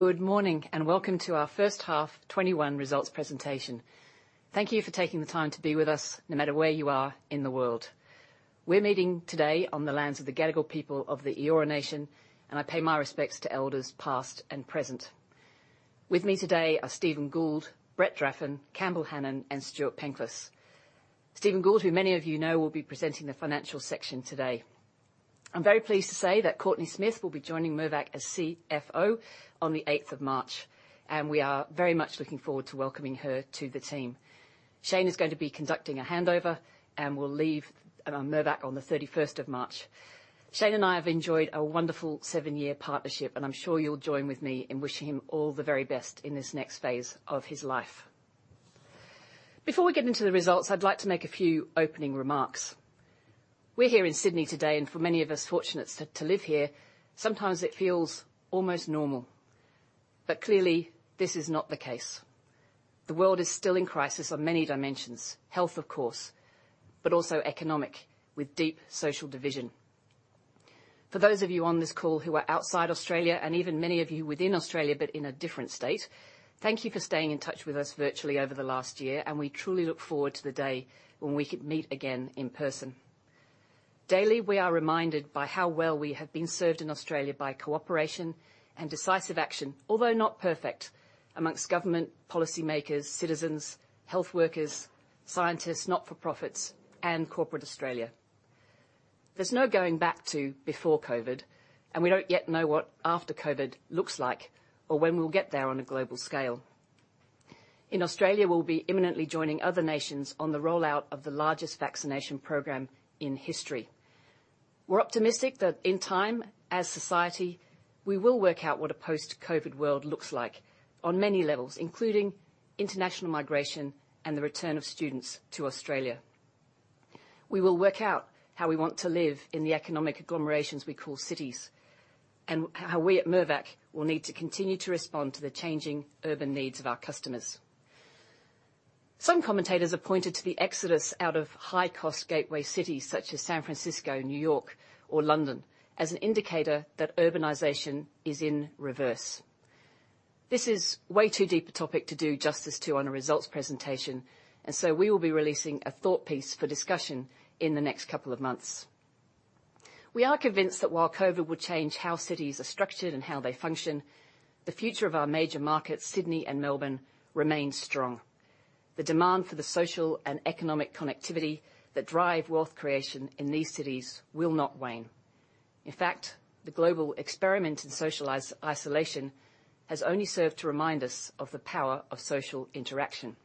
Good morning, welcome to our first half 2021 results presentation. Thank you for taking the time to be with us no matter where you are in the world. We're meeting today on the lands of the Gadigal people of the Eora nation and I pay my respects to elders past and present. With me today are Stephen Gould, Brett Draffen, Campbell Hanan, and Stuart Penklis. Stephen Gould, who many of you know, will be presenting the financial section today. I'm very pleased to say that Courtenay Smith will be joining Mirvac as CFO on the 8th of March, and we are very much looking forward to welcoming her to the team. Shane is going to be conducting a handover and will leave Mirvac on the 31st of March. Shane and I have enjoyed a wonderful seven-year partnership, and I'm sure you'll join with me in wishing him all the very best in this next phase of his life. Before we get into the results, I'd like to make a few opening remarks. We're here in Sydney today, and for many of us fortunate to live here, sometimes it feels almost normal. Clearly, this is not the case. The world is still in crisis on many dimensions. Health, of course, but also economic, with deep social division. For those of you on this call who are outside Australia, and even many of you within Australia but in a different state, thank you for staying in touch with us virtually over the last year, and we truly look forward to the day when we can meet again in person. Daily, we are reminded by how well we have been served in Australia by cooperation and decisive action, although not perfect amongst government, policymakers, citizens, health workers, scientists, not-for-profits, and corporate Australia. There's no going back to before COVID, and we don't yet know what after COVID looks like, or when we'll get there on a global scale. In Australia, we'll be imminently joining other nations on the rollout of the largest vaccination program in history. We're optimistic that in time, as society, we will work out what a post-COVID world looks like on many levels, including international migration and the return of students to Australia. We will work out how we want to live in the economic agglomerations we call cities, and how we at Mirvac will need to continue to respond to the changing urban needs of our customers. Some commentators have pointed to the exodus out of high-cost gateway cities such as San Francisco, New York, or London as an indicator that urbanization is in reverse. This is way too deep a topic to do justice to on a results presentation and so we will be releasing a thought piece for discussion in the next couple of months. We are convinced that while COVID will change how cities are structured and how they function, the future of our major markets, Sydney and Melbourne, remains strong. The demand for the social and economic connectivity that drive wealth creation in these cities will not wane. In fact, the global experiment in social isolation has only served to remind us of the power of social interaction.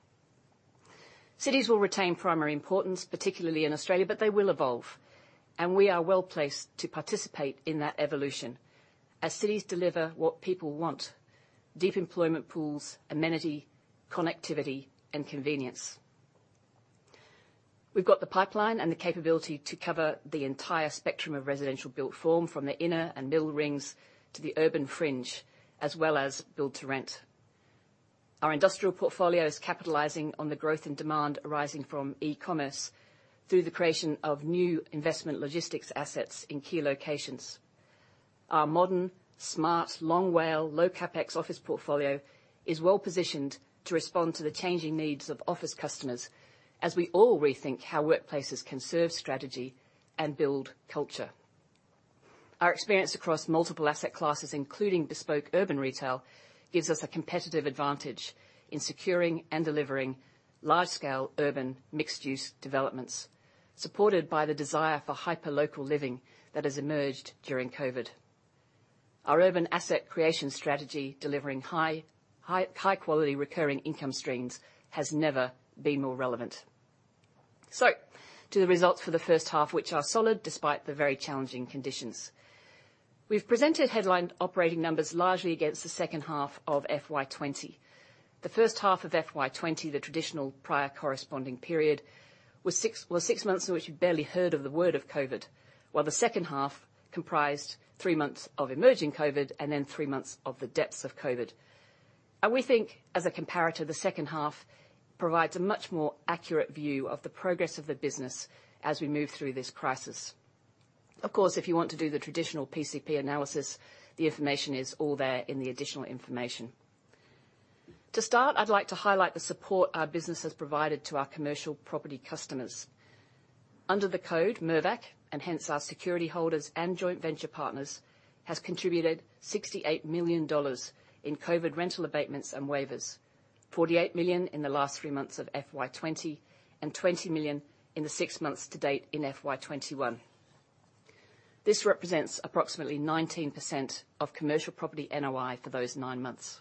Cities will retain primary importance, particularly in Australia, but they will evolve, and we are well-placed to participate in that evolution as cities deliver what people want: deep employment pools, amenity, connectivity, and convenience. We've got the pipeline and the capability to cover the entire spectrum of residential built form, from the inner and middle rings to the urban fringe, as well as build-to-rent. Our industrial portfolio is capitalizing on the growth in demand arising from e-commerce through the creation of new investment logistics assets in key locations. Our modern, smart, long WALE, low CapEx office portfolio is well-positioned to respond to the changing needs of office customers as we all rethink how workplaces can serve strategy and build culture. Our experience across multiple asset classes, including bespoke urban retail, gives us a competitive advantage in securing and delivering large-scale urban mixed-use developments, supported by the desire for hyperlocal living that has emerged during COVID. Our urban asset creation strategy, delivering high-quality recurring income streams, has never been more relevant. To the results for the first half, which are solid despite the very challenging conditions. We've presented headline operating numbers largely against the second half of FY 2020. The first half of FY 2020, the traditional prior corresponding period, was six months in which we barely heard of the word of COVID, while the second half comprised three months of emerging COVID, and then three months of the depths of COVID. We think, as a comparator, the second half provides a much more accurate view of the progress of the business as we move through this crisis. Of course, if you want to do the traditional PCP analysis, the information is all there in the additional information. To start, I'd like to highlight the support our business has provided to our commercial property customers. Under the code, Mirvac, and hence our security holders and joint venture partners, has contributed 68 million dollars in COVID rental abatements and waivers, 48 million in the last three months of FY 2020, and 20 million in the six months to date in FY 2021. This represents approximately 19% of commercial property NOI for those nine months.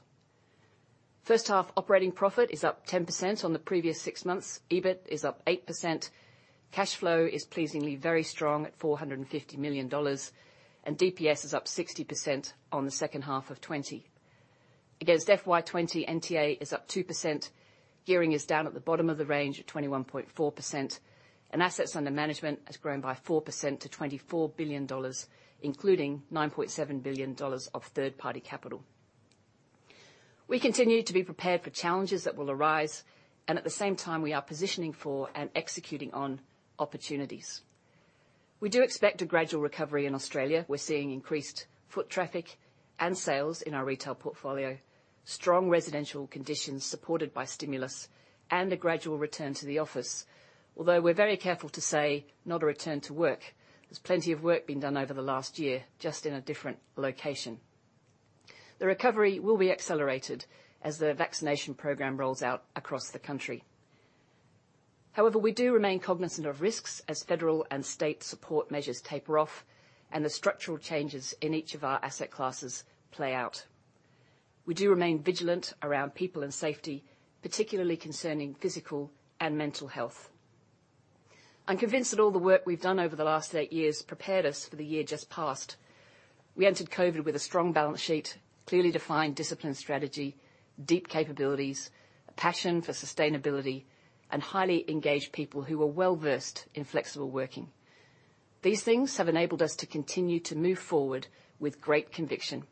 First half operating profit is up 10% on the previous six months, EBIT is up 8%, cash flow is pleasingly very strong at 450 million dollars, and DPS is up 60% on the second half of 2020. Against FY 2020, NTA is up 2%, gearing is down at the bottom of the range at 21.4%, and assets under management has grown by 4% to 24 billion dollars, including 9.7 billion dollars of third-party capital. We continue to be prepared for challenges that will arise, and at the same time, we are positioning for and executing on opportunities. We do expect the gradual recovery in Australia. We're seeing increased foot traffic and sales in our retail portfolio, strong residential conditions supported by stimulus, and a gradual return to the office, although we're very careful to say not a return to work. There's plenty of work been done over the last year, just in a different location. The recovery will be accelerated as the vaccination program rolls out across the country. However, we do remain cognizant of risks as federal and state support measures taper off and the structural changes in each of our asset classes play out. We do remain vigilant around people and safety, particularly concerning physical and mental health. I'm convinced that all the work we've done over the last eight years prepared us for the year just passed. We entered COVID with a strong balance sheet, clearly defined discipline strategy, deep capabilities, passion for sustainability, and highly engaged people who were well-versed in flexible working. These things have enabled us to continue to move forward with great conviction.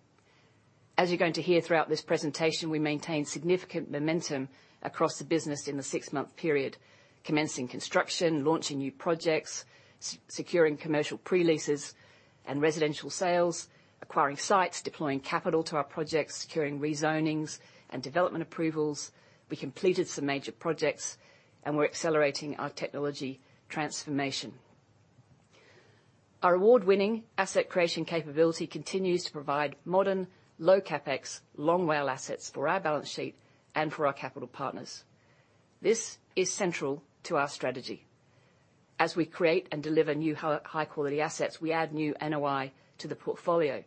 As you're going to hear throughout this presentation, we maintain significant momentum across the business in the six-month period, commencing construction, launching new projects, securing commercial pre-leases and residential sales, acquiring sites, deploying capital to our projects, securing rezonings and development approvals. We completed some major projects and we're accelerating our technology transformation. Our award-winning asset creation capability continues to provide modern, low CapEx, long WALE assets for our balance sheet and for our capital partners. This is central to our strategy. As we create and deliver new high-quality assets, we add new NOI to the portfolio,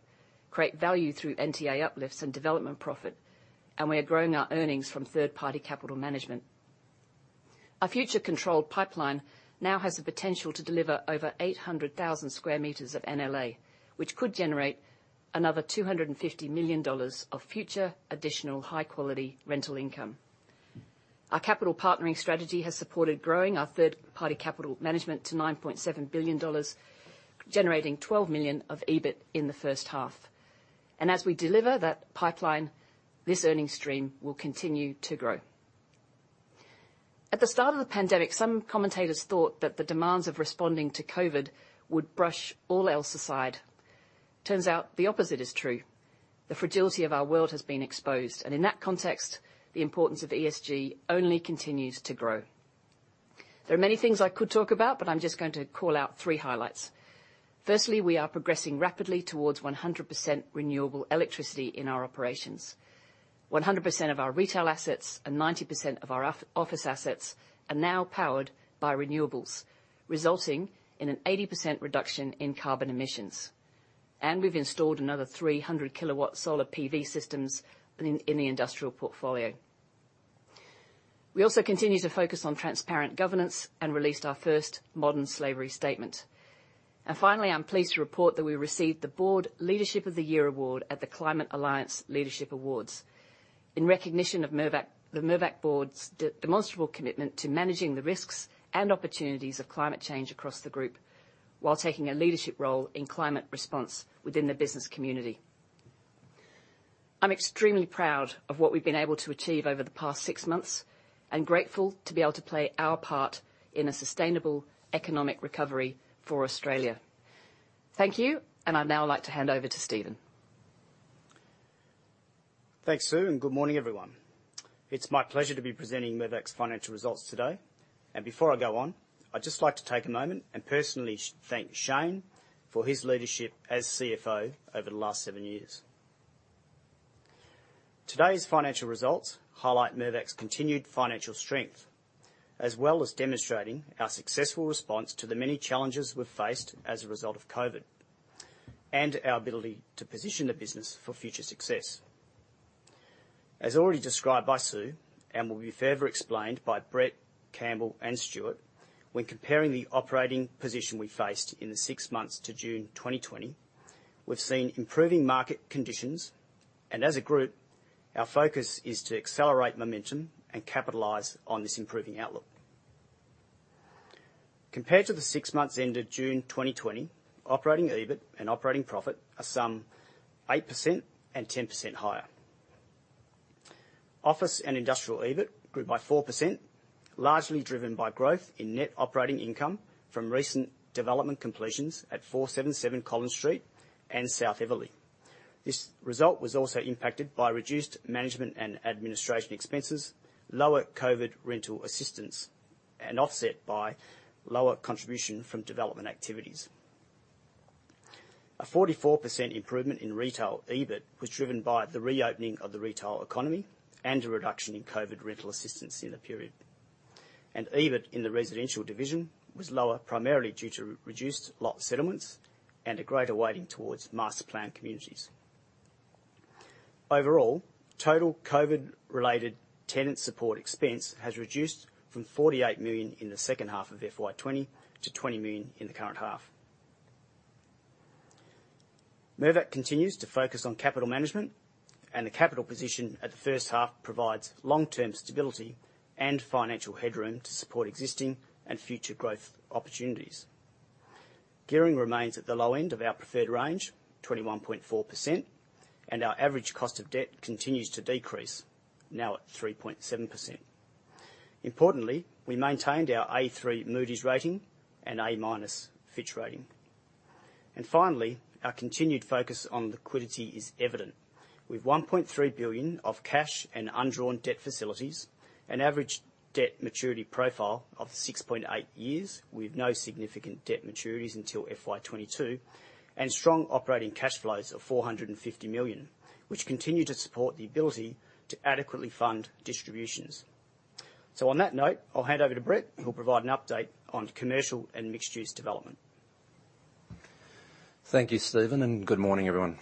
create value through NTA uplifts and development profit, and we are growing our earnings from third-party capital management. Our future controlled pipeline now has the potential to deliver over 800,000 sq m of NLA, which could generate another 250 million dollars of future additional high-quality rental income. Our capital partnering strategy has supported growing our third-party capital management to AUD 9.7 billion generating AUD 12 million of EBIT in the first half. As we deliver that pipeline, this earnings stream will continue to grow. At the start of the pandemic, some commentators thought that the demands of responding to COVID would brush all else aside. It turns out the opposite is true. The fragility of our world has been exposed. In that context, the importance of ESG only continues to grow. There are many things I could talk about but I'm just going to call out three highlights. Firstly, we are progressing rapidly towards 100% renewable electricity in our operations, 100% of our retail assets and 90% of our office assets are now powered by renewables, resulting in an 80% reduction in carbon emissions. We've installed another 300 kW solar PV systems in the industrial portfolio. We also continue to focus on transparent governance and released our first modern slavery statement. Finally, I'm pleased to report that we received the Board Leadership of the Year award at the Climate Alliance Leadership Awards in recognition of the Mirvac board's demonstrable commitment to managing the risks and opportunities of climate change across the group, while taking a leadership role in climate response within the business community. I'm extremely proud of what we've been able to achieve over the past six months and grateful to be able to play our part in a sustainable economic recovery for Australia. Thank you and I'd now like to hand over to Stephen. Thanks, Sue, and good morning, everyone. It's my pleasure to be presenting Mirvac's financial results today. Before I go on, I'd just like to take a moment and personally thank Shane for his leadership as CFO over the last seven years. Today's financial results highlight Mirvac's continued financial strength, as well as demonstrating our successful response to the many challenges we've faced as a result of COVID and our ability to position the business for future success. As already described by Sue and will be further explained by Brett, Campbell, and Stuart, when comparing the operating position we faced in the six months to June 2020, we've seen improving market conditions, and as a group, our focus is to accelerate momentum and capitalize on this improving outlook. Compared to the six months ended June 2020, operating EBIT and operating profit are some 8% and 10% higher. Office and industrial EBIT grew by 4%, largely driven by growth in net operating income from recent development completions at 477 Collins Street and South Eveleigh. This result was also impacted by reduced management and administration expenses, lower COVID rental assistance, and offset by lower contribution from development activities. A 44% improvement in retail EBIT was driven by the reopening of the retail economy and a reduction in COVID rental assistance in the period. EBIT in the residential division was lower, primarily due to reduced lot settlements and a greater weighting towards master plan communities. Overall, total COVID-related tenant support expense has reduced from 48 million in the second half of FY 2020 to 20 million in the current half. Mirvac continues to focus on capital management and the capital position at the first half provides long-term stability and financial headroom to support existing and future growth opportunities. Gearing remains at the low end of our preferred range, 21.4%, and our average cost of debt continues to decrease, now at 3.7%. Importantly, we maintained our A3 Moody's rating and A- Fitch rating. Finally, our continued focus on liquidity is evident. With 1.3 billion of cash and undrawn debt facilities, an average debt maturity profile of 6.8 years, with no significant debt maturities until FY 2022, and strong operating cash flows of 450 million, which continue to support the ability to adequately fund distributions. On that note, I'll hand over to Brett, who will provide an update on commercial and mixed-use development. Thank you, Stephen, and good morning, everyone.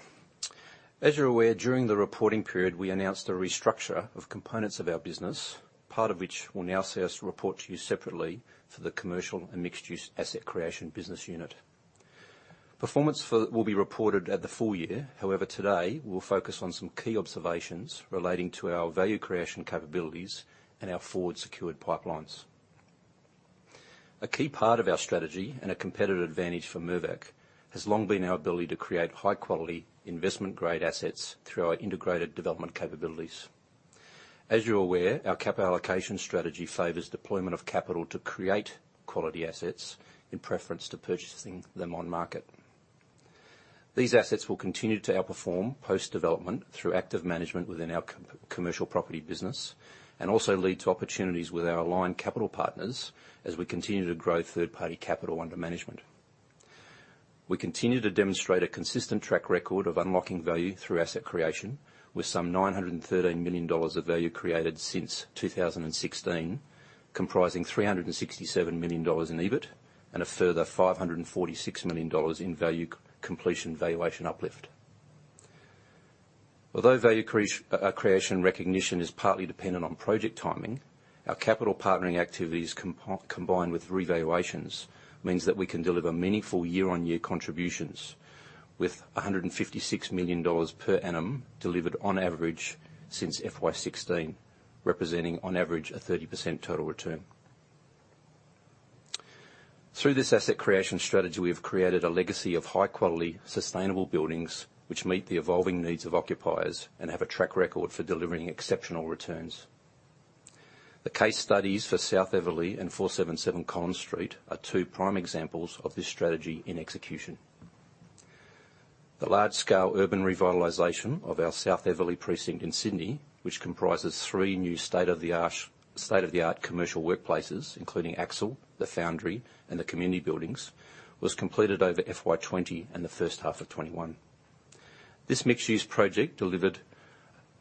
As you're aware, during the reporting period, we announced a restructure of components of our business, part of which will now see us report to you separately for the commercial and mixed-use asset creation business unit. Performance will be reported at the full year. However, today, we'll focus on some key observations relating to our value creation capabilities and our forward secured pipelines. A key part of our strategy and a competitive advantage for Mirvac has long been our ability to create high-quality investment-grade assets through our integrated development capabilities. As you're aware, our capital allocation strategy favors deployment of capital to create quality assets in preference to purchasing them on market. These assets will continue to outperform post-development through active management within our commercial property business, and also lead to opportunities with our aligned capital partners as we continue to grow third-party capital under management. We continue to demonstrate a consistent track record of unlocking value through asset creation, with some 913 million dollars of value created since 2016, comprising 367 million dollars in EBIT, and a further 546 million dollars in value completion valuation uplift. Although value creation recognition is partly dependent on project timing, our capital partnering activities combined with revaluations means that we can deliver meaningful year-on-year contributions with 156 million dollars per annum delivered on average since FY 2016, representing on average a 30% total return. Through this asset creation strategy, we've created a legacy of high-quality, sustainable buildings which meet the evolving needs of occupiers, and have a track record for delivering exceptional returns. The case studies for South Eveleigh and 477 Collins Street are two prime examples of this strategy in execution. The large-scale urban revitalization of our South Eveleigh precinct in Sydney, which comprises three new state-of-the-art commercial workplaces, including Axle, The Foundry, and the community buildings, was completed over FY 2020 and the first half of 2021. This mixed-use project delivered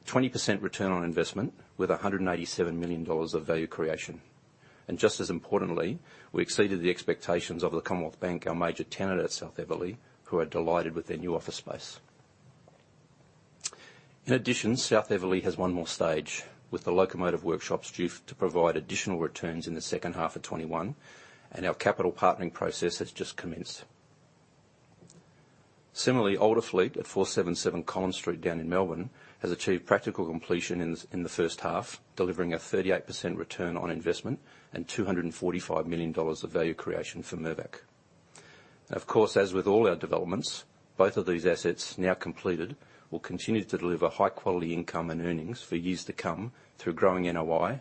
20% return on investment with 187 million dollars of value creation, and just as importantly, we exceeded the expectations of the Commonwealth Bank, our major tenant at South Eveleigh, who are delighted with their new office space. In addition, South Eveleigh has one more stage, with the Locomotive Workshops due to provide additional returns in the second half of 2021, and our capital partnering process has just commenced. Similarly, Olderfleet at 477 Collins Street down in Melbourne has achieved practical completion in the first half, delivering a 38% return on investment and 245 million dollars of value creation for Mirvac and, of course, as with all our developments, both of these assets, now completed, will continue to deliver high-quality income and earnings for years to come through growing NOI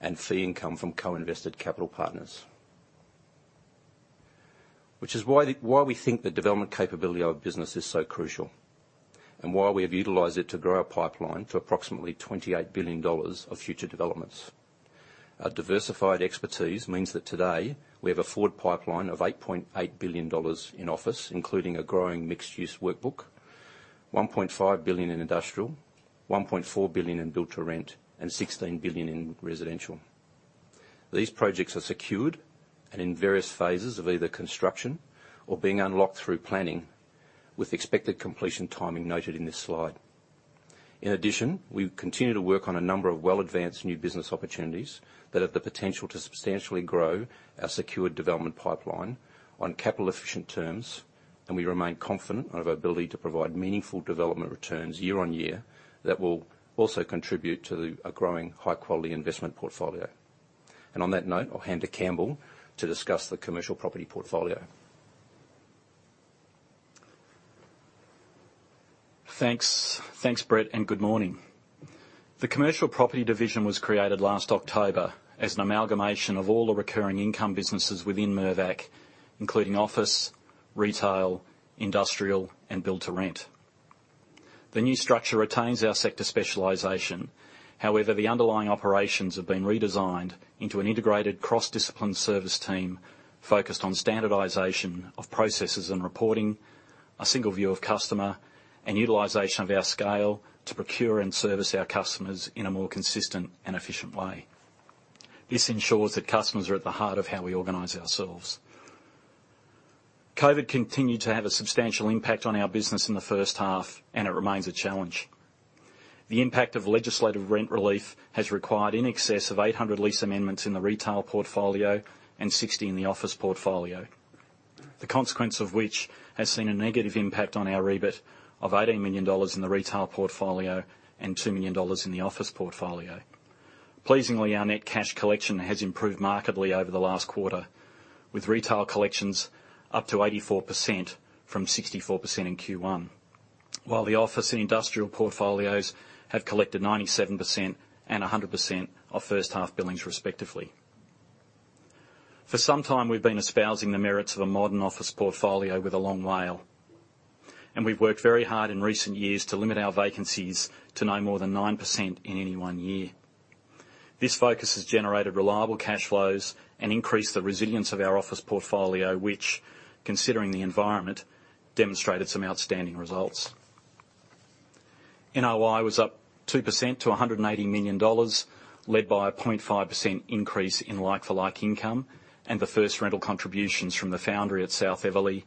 and fee income from co-invested capital partners, which is why we think the development capability of our business is so crucial. Our diversified expertise means that today we have a forward pipeline of 8.8 billion dollars in office, including a growing mixed-use workbook, 1.5 billion in industrial, 1.4 billion in build-to-rent, and 16 billion in residential. These projects are secured and in various phases of either construction or being unlocked through planning, with expected completion timing noted in this slide. In addition, we continue to work on a number of well-advanced new business opportunities that have the potential to substantially grow our secured development pipeline on capital-efficient terms, and we remain confident of our ability to provide meaningful development returns year on year that will also contribute to a growing high-quality investment portfolio. On that note, I'll hand to Campbell to discuss the commercial property portfolio. Thanks. Thanks, Brett, and good morning. The commercial property division was created last October as an amalgamation of all the recurring income businesses within Mirvac, including office, retail, industrial, and build-to-rent. The new structure retains our sector specialization. However, the underlying operations have been redesigned into an integrated cross-discipline service team focused on standardization of processes and reporting, a single view of customer, and utilization of our scale to procure and service our customers in a more consistent and efficient way. This ensures that customers are at the heart of how we organize ourselves. COVID continued to have a substantial impact on our business in the first half and it remains a challenge. The impact of legislative rent relief has required in excess of 800 lease amendments in the retail portfolio and 60 in the office portfolio. The consequence of which has seen a negative impact on our EBIT of 18 million dollars in the retail portfolio and 2 million dollars in the office portfolio. Pleasingly, our net cash collection has improved markedly over the last quarter, with retail collections up to 84% from 64% in Q1. While the office and industrial portfolios have collected 97% and 100% of first half billings respectively. For some time, we've been espousing the merits of a modern office portfolio with a long WALE. We've worked very hard in recent years to limit our vacancies to no more than 9% in any one year. This focus has generated reliable cash flows and increased the resilience of our office portfolio, which, considering the environment, demonstrated some outstanding results. NOI was up 2% to 180 million dollars, led by a 0.5% increase in like-for-like income, and the first rental contributions from The Foundry at South Eveleigh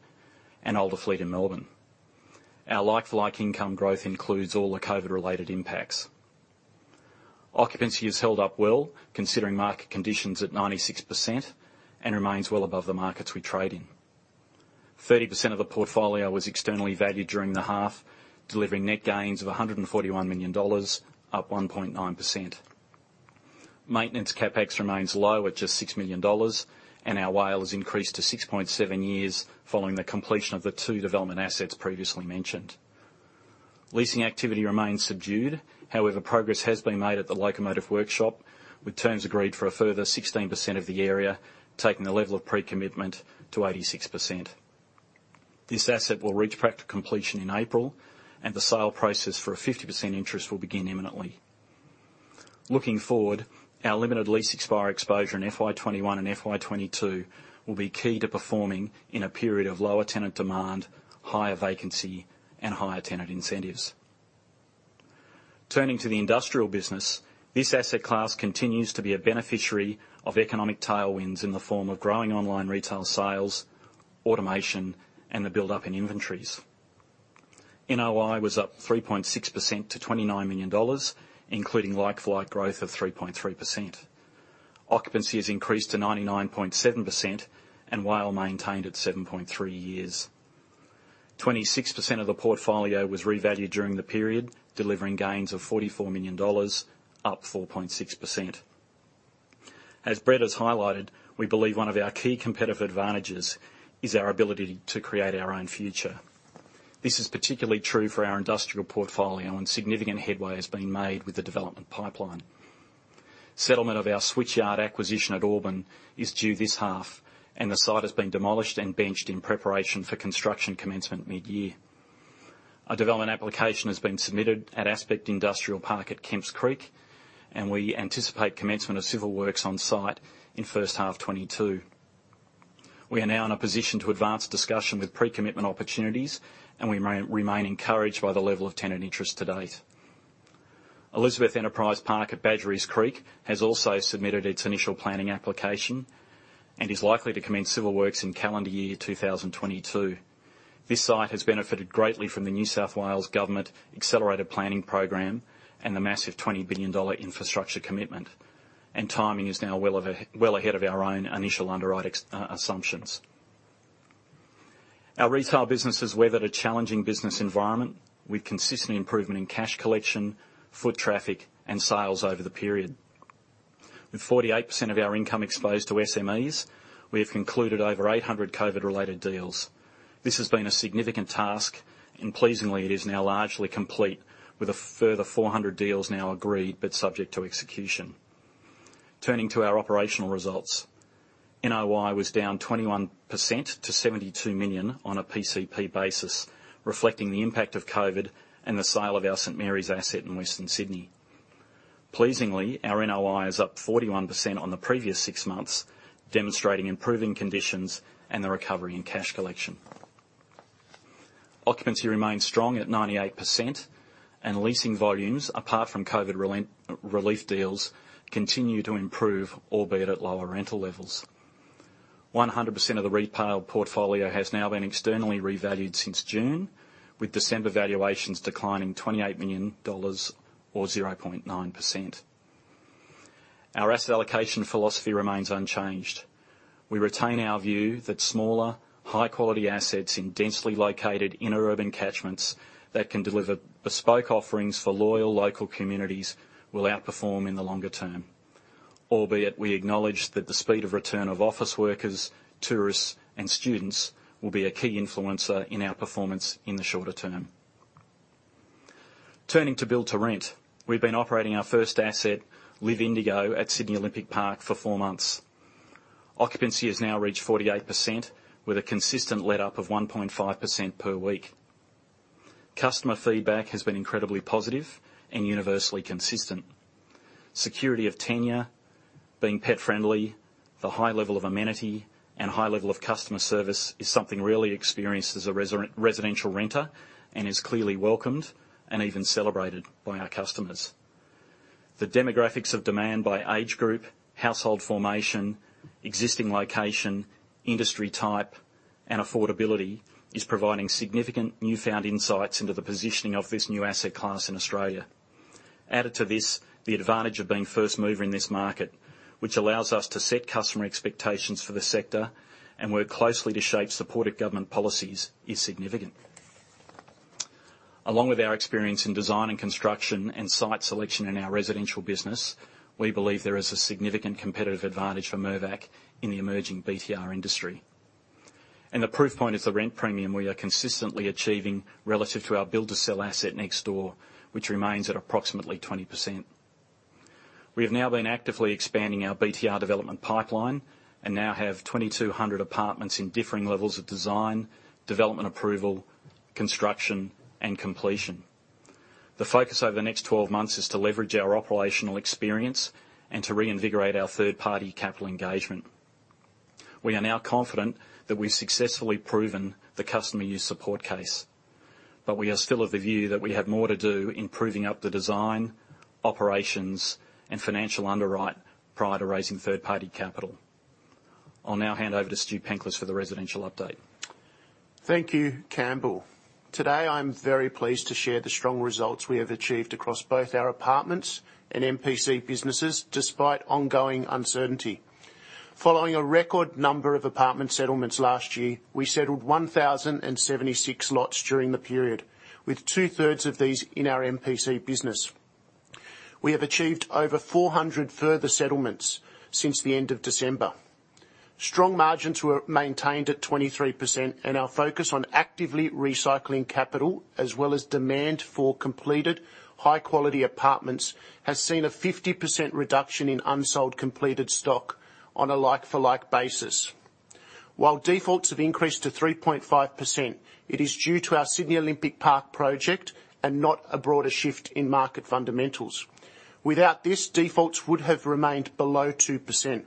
and Olderfleet in Melbourne. Our like-for-like income growth includes all the COVID-related impacts. Occupancy has held up well, considering market conditions at 96%, and remains well above the markets we trade in. 30% of the portfolio was externally valued during the half, delivering net gains of 141 million dollars, up 1.9%. Maintenance CapEx remains low at just 6 million dollars, and our WALE has increased to 6.7 years following the completion of the two development assets previously mentioned. Leasing activity remains subdued. Progress has been made at the Locomotive Workshop, with terms agreed for a further 16% of the area, taking the level of pre-commitment to 86%. This asset will reach practical completion in April, and the sale process for a 50% interest will begin imminently. Looking forward, our limited lease expiry exposure in FY 2021 and FY 2022 will be key to performing in a period of lower tenant demand, higher vacancy, and higher tenant incentives. Turning to the industrial business, this asset class continues to be a beneficiary of economic tailwinds in the form of growing online retail sales, automation, and a buildup in inventories. NOI was up 3.6% to 29 million dollars, including like-for-like growth of 3.3%. Occupancy has increased to 99.7%, and WALE maintained at 7.7 years. 26% of the portfolio was revalued during the period, delivering gains of 44 million dollars, up 4.6%. As Brett has highlighted, we believe one of our key competitive advantages is our ability to create our own future. This is particularly true for our industrial portfolio, and significant headway has been made with the development pipeline. Settlement of our Switchyard acquisition at Auburn is due this half, and the site has been demolished and benched in preparation for construction commencement mid-year. A development application has been submitted at Aspect Industrial Park at Kemps Creek, and we anticipate commencement of civil works on site in first half 2022. We are now in a position to advance discussion with pre-commitment opportunities and we remain encouraged by the level of tenant interest to date. Elizabeth Enterprise Park at Badgerys Creek has also submitted its initial planning application and is likely to commence civil works in calendar year 2022. This site has benefited greatly from the New South Wales Government Planning System Acceleration Program and the massive 20 billion dollar infrastructure commitment, and timing is now well ahead of our own initial underwrite assumptions. Our retail business has weathered a challenging business environment, with consistent improvement in cash collection, foot traffic, and sales over the period. With 48% of our income exposed to SMEs, we have concluded over 800 COVID-related deals. This has been a significant task, and pleasingly, it is now largely complete, with a further 400 deals now agreed but subject to execution. Turning to our operational results. NOI was down 21% to 72 million on a PCP basis, reflecting the impact of COVID and the sale of our St Marys asset in Western Sydney. Pleasingly, our NOI is up 41% on the previous six months, demonstrating improving conditions and the recovery in cash collection. Occupancy remains strong at 98%, and leasing volumes, apart from COVID relief deals, continue to improve, albeit at lower rental levels. 100% of the retail portfolio has now been externally revalued since June, with December valuations declining AUD 28 million or 0.9%. Our asset allocation philosophy remains unchanged. We retain our view that smaller, high-quality assets in densely located inner urban catchments that can deliver bespoke offerings for loyal local communities will outperform in the longer term. Albeit, we acknowledge that the speed of return of office workers, tourists, and students will be a key influencer in our performance in the shorter term. Turning to build-to-rent, we've been operating our first asset, LIV Indigo, at Sydney Olympic Park for four months. Occupancy has now reached 48%, with a consistent letup of 1.5% per week. Customer feedback has been incredibly positive and universally consistent. Security of tenure, being pet-friendly, the high level of amenity, and high level of customer service is something rarely experienced as a residential renter and is clearly welcomed and even celebrated by our customers. The demographics of demand by age group, household formation, existing location, industry type, and affordability is providing significant newfound insights into the positioning of this new asset class in Australia. Added to this, the advantage of being first mover in this market, which allows us to set customer expectations for the sector and work closely to shape supportive government policies, is significant. Along with our experience in design and construction and site selection in our residential business, we believe there is a significant competitive advantage for Mirvac in the emerging BTR industry. The proof point is the rent premium we are consistently achieving relative to our build-to-sell asset next door, which remains at approximately 20%. We have now been actively expanding our BTR development pipeline and now have 2,200 apartments in differing levels of design, development approval, construction, and completion. The focus over the next 12 months is to leverage our operational experience and to reinvigorate our third-party capital engagement. We are now confident that we've successfully proven the customer use support case, but we are still of the view that we have more to do in proving up the design, operations, and financial underwrite prior to raising third-party capital. I'll now hand over to Stu Penklis for the residential update. Thank you, Campbell. Today, I am very pleased to share the strong results we have achieved across both our apartments and MPC businesses, despite ongoing uncertainty. Following a record number of apartment settlements last year, we settled 1,076 lots during the period, with 2/3 of these in our MPC business. We have achieved over 400 further settlements since the end of December. Strong margins were maintained at 23%, and our focus on actively recycling capital as well as demand for completed high-quality apartments has seen a 50% reduction in unsold completed stock on a like-for-like basis. While defaults have increased to 3.5%, it is due to our Sydney Olympic Park project and not a broader shift in market fundamentals. Without this, defaults would have remained below 2%.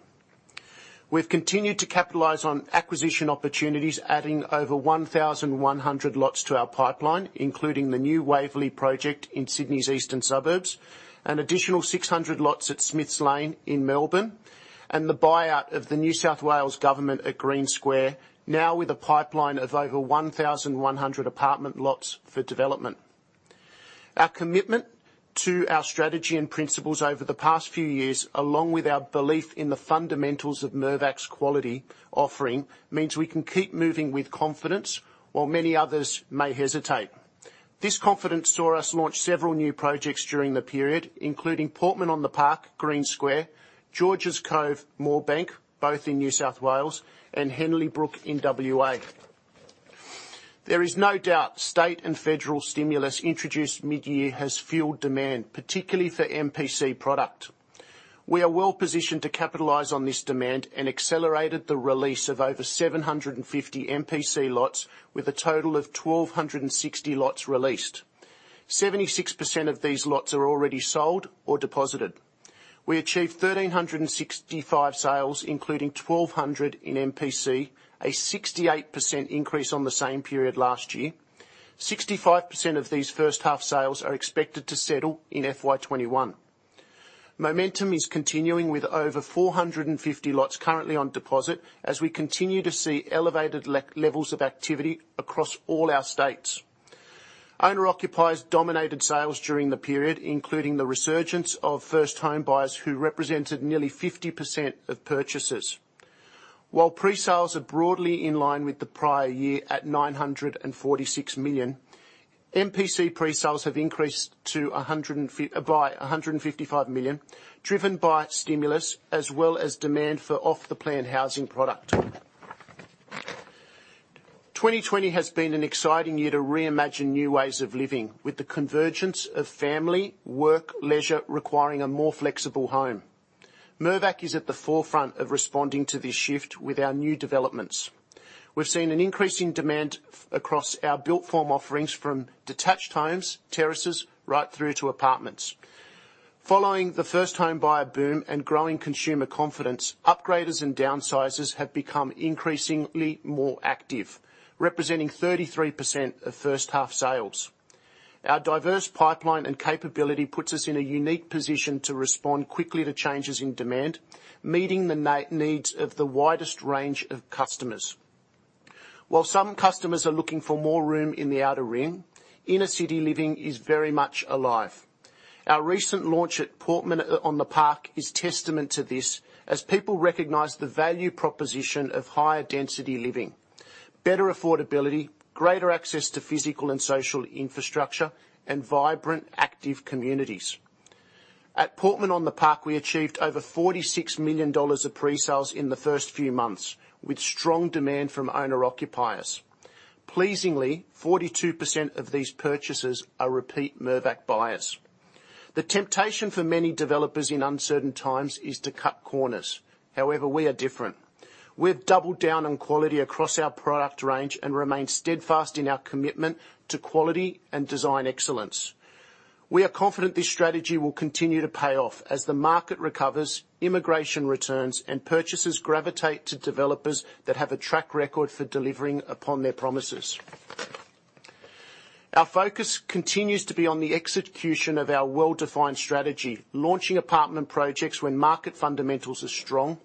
We've continued to capitalize on acquisition opportunities, adding over 1,100 lots to our pipeline, including the new Waverley project in Sydney's eastern suburbs, an additional 600 lots at Smiths Lane in Melbourne, and the buyout of the New South Wales Government at Green Square, now with a pipeline of over 1,100 apartment lots for development. Our commitment to our strategy and principles over the past few years, along with our belief in the fundamentals of Mirvac's quality offering, means we can keep moving with confidence while many others may hesitate. This confidence saw us launch several new projects during the period, including Portman on the Park, Green Square, Georges Cove, Moorebank, both in New South Wales, and Henley Brook in WA. There is no doubt State and Federal stimulus introduced mid-year has fueled demand, particularly for MPC product. We are well positioned to capitalize on this demand and accelerated the release of over 750 MPC lots with a total of 1,260 lots released. 76% of these lots are already sold or deposited. We achieved 1,365 sales, including 1,200 in MPC, a 68% increase on the same period last year. 65% of these first half sales are expected to settle in FY 2021. Momentum is continuing with over 450 lots currently on deposit as we continue to see elevated levels of activity across all our states. Owner-occupiers dominated sales during the period, including the resurgence of first home buyers who represented nearly 50% of purchases. While pre-sales are broadly in line with the prior year at 946 million, MPC pre-sales have increased by 155 million, driven by stimulus as well as demand for off-the-plan housing product. 2020 has been an exciting year to reimagine new ways of living with the convergence of family, work, leisure requiring a more flexible home. Mirvac is at the forefront of responding to this shift with our new developments. We're seeing an increase in demand across our built form offerings from detached homes, terraces, right through to apartments. Following the first home buyer boom and growing consumer confidence, upgraders and downsizers have become increasingly more active, representing 33% of first half sales. Our diverse pipeline and capability puts us in a unique position to respond quickly to changes in demand, meeting the needs of the widest range of customers. While some customers are looking for more room in the outer ring, inner city living is very much alive. Our recent launch at Portman on the Park is testament to this, as people recognize the value proposition of higher density living, better affordability, greater access to physical and social infrastructure, and vibrant, active communities. At Portman on the Park, we achieved over 46 million dollars of pre-sales in the first few months, with strong demand from owner-occupiers. Pleasingly, 42% of these purchases are repeat Mirvac buyers. The temptation for many developers in uncertain times is to cut corners. However, we are different. We have doubled down on quality across our product range and remain steadfast in our commitment to quality and design excellence. We are confident this strategy will continue to pay off as the market recovers, immigration returns, and purchasers gravitate to developers that have a track record for delivering upon their promises. Our focus continues to be on the execution of our well-defined strategy, launching apartment projects when market fundamentals are strong,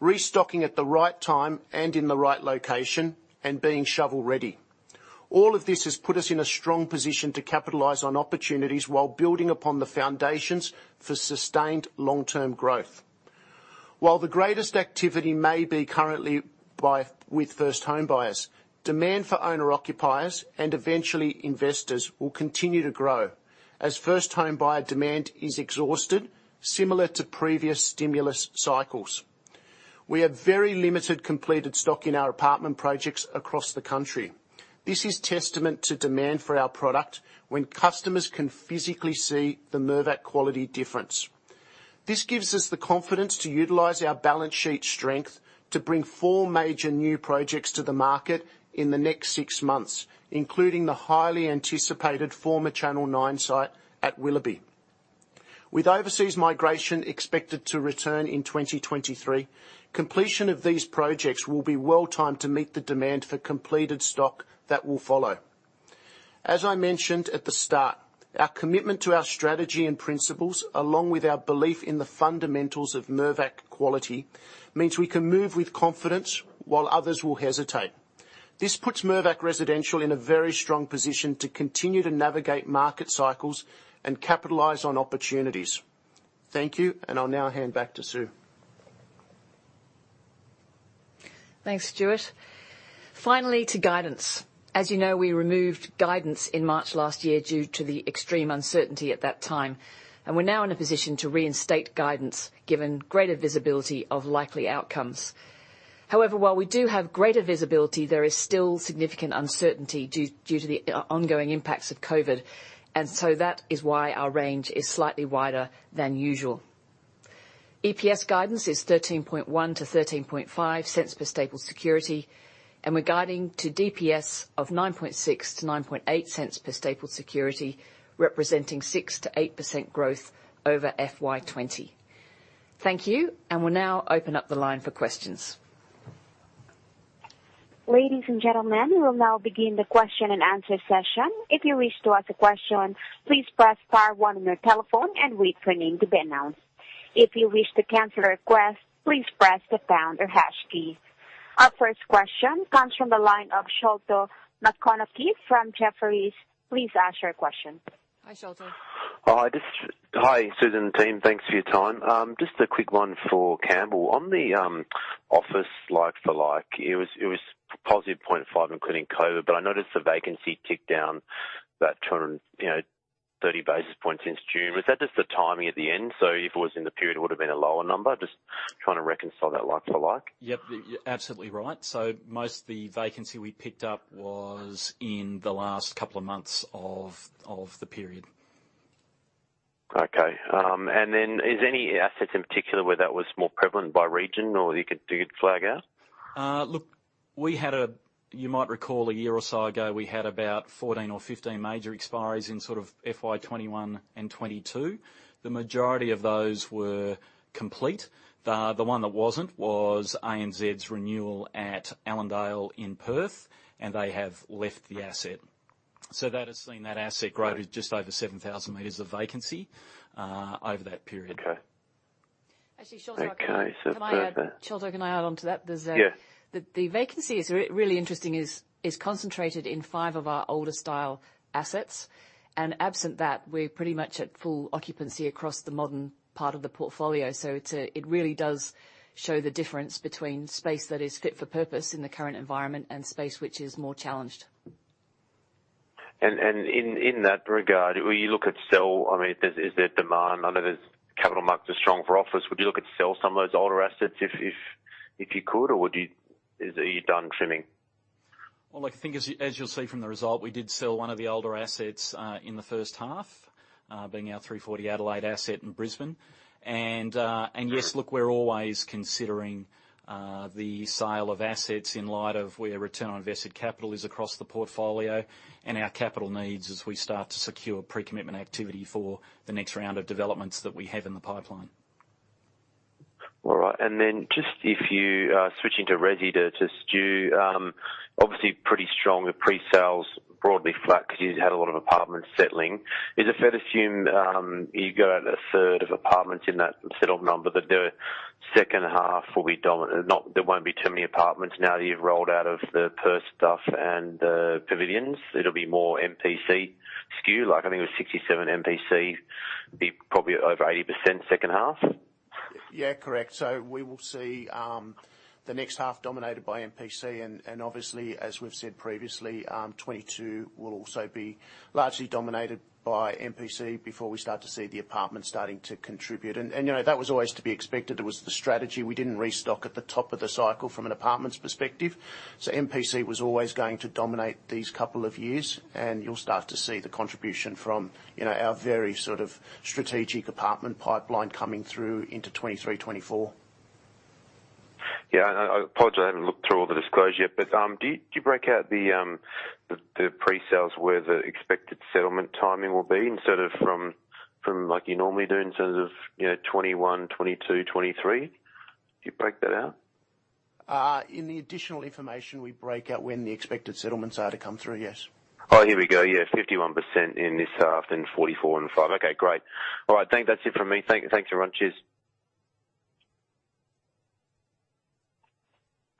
restocking at the right time and in the right location, and being shovel-ready. All of this has put us in a strong position to capitalize on opportunities while building upon the foundations for sustained long-term growth. While the greatest activity may be currently with first home buyers, demand for owner-occupiers and eventually investors will continue to grow as first home buyer demand is exhausted. Similar to previous stimulus cycles. We have very limited completed stock in our apartment projects across the country. This is testament to demand for our product when customers can physically see the Mirvac quality difference. This gives us the confidence to utilize our balance sheet strength to bring four major new projects to the market in the next six months, including the highly anticipated former Channel Nine site at Willoughby. With overseas migration expected to return in 2023, completion of these projects will be well timed to meet the demand for completed stock that will follow. As I mentioned at the start, our commitment to our strategy and principles, along with our belief in the fundamentals of Mirvac quality, means we can move with confidence while others will hesitate. This puts Mirvac Residential in a very strong position to continue to navigate market cycles and capitalize on opportunities. Thank you and I'll now hand back to Sue. Thanks, Stuart. Finally, to guidance, as you know, we removed guidance in March last year due to the extreme uncertainty at that time, and we're now in a position to reinstate guidance, given greater visibility of likely outcomes. However, while we do have greater visibility, there is still significant uncertainty due to the ongoing impacts of COVID, and so that is why our range is slightly wider than usual. EPS guidance is 0.131 to 0.135 per stapled security, and we're guiding to DPS of 0.096 to 0.098 per stapled security, representing 6% to 8% growth over FY 2020. Thank you and we'll now open up the line for questions. Ladies and gentlemen, we will now begin the question and answer session. If you wish to ask a question, please press star one on your telephone and wait for your name to be announced. If you wish to cancel a request, please press the pound or hash key. Our first question comes from the line of Sholto Maconochie from Jefferies. Please ask your question. Hi, Sholto. Hi, Susan and team. Thanks for your time and just a quick one for Campbell. On the office like for like, it was positive 0.5 including COVID, but I noticed the vacancy ticked down about 230 basis points since June. Was that just the timing at the end? If it was in the period, it would've been a lower number? I'm just trying to reconcile that like for like. Yep. You're absolutely right. Most of the vacancy we picked up was in the last couple of months of the period. Okay. Is any assets in particular where that was more prevalent by region or you could flag out? Look, you might recall a year or so ago, we had about 14 or 15 major expiries in sort of FY 2021 and 2022. The majority of those were complete. The one that wasn't was ANZ's renewal at Allendale in Perth, and they have left the asset, so that has seen that asset grow to just over 7,000 meters of vacancy over that period. Okay. Actually, Sholto, can I add on to that? Yes. The vacancy is really interesting is, is concentrated in five of our older style assets, and absent that, we're pretty much at full occupancy across the modern part of the portfolio. It really does show the difference between space that is fit for purpose in the current environment and space which is more challenged. In that regard, will you look at sell? Is there demand? I know the capital markets are strong for office. Would you look to sell some of those older assets if you could? Are you done trimming? Well, look, I think as you'll see from the result, we did sell one of the older assets in the first half, being our 340 Adelaide asset in Brisbane. Yes, look, we're always considering the sale of assets in light of where return on invested capital is across the portfolio and our capital needs as we start to secure pre-commitment activity for the next round of developments that we have in the pipeline. All right, and then if you are switching to resi, to Stu, obviously pretty strong with pre-sales broadly flat because you had a lot of apartments settling. Is it fair to assume you go at a third of apartments in that settled number, that the second half there won't be too many apartments now that you've rolled out of the Perth stuff and The Pavilions? It'll be more MPC skew. I think it was 67 MPC, be probably over 80% second half? Yeah, correct, so we will see the next half dominated by MPC, and, obviously, as we've said previously, 2022 will also be largely dominated by MPC before we start to see the apartments starting to contribute. You know, that was always to be expected. It was the strategy. We didn't restock at the top of the cycle from an apartments perspective. MPC was always going to dominate these couple of years, and you'll start to see the contribution from, you know, our very strategic apartment pipeline coming through into 2023, 2024. Yeah, and I apologize, I haven't looked through all the disclosure yet. Do you break out the pre-sales where the expected settlement timing will be instead of from, like you normally do in terms of 2021, 2022, 2023? Do you break that out? In the additional information, we break out when the expected settlements are to come through, yes. Oh, here we go, yeah, 51% in this half, then 44 and five. Okay, great. All right. I think that's it from me. Thanks, everyone. Cheers.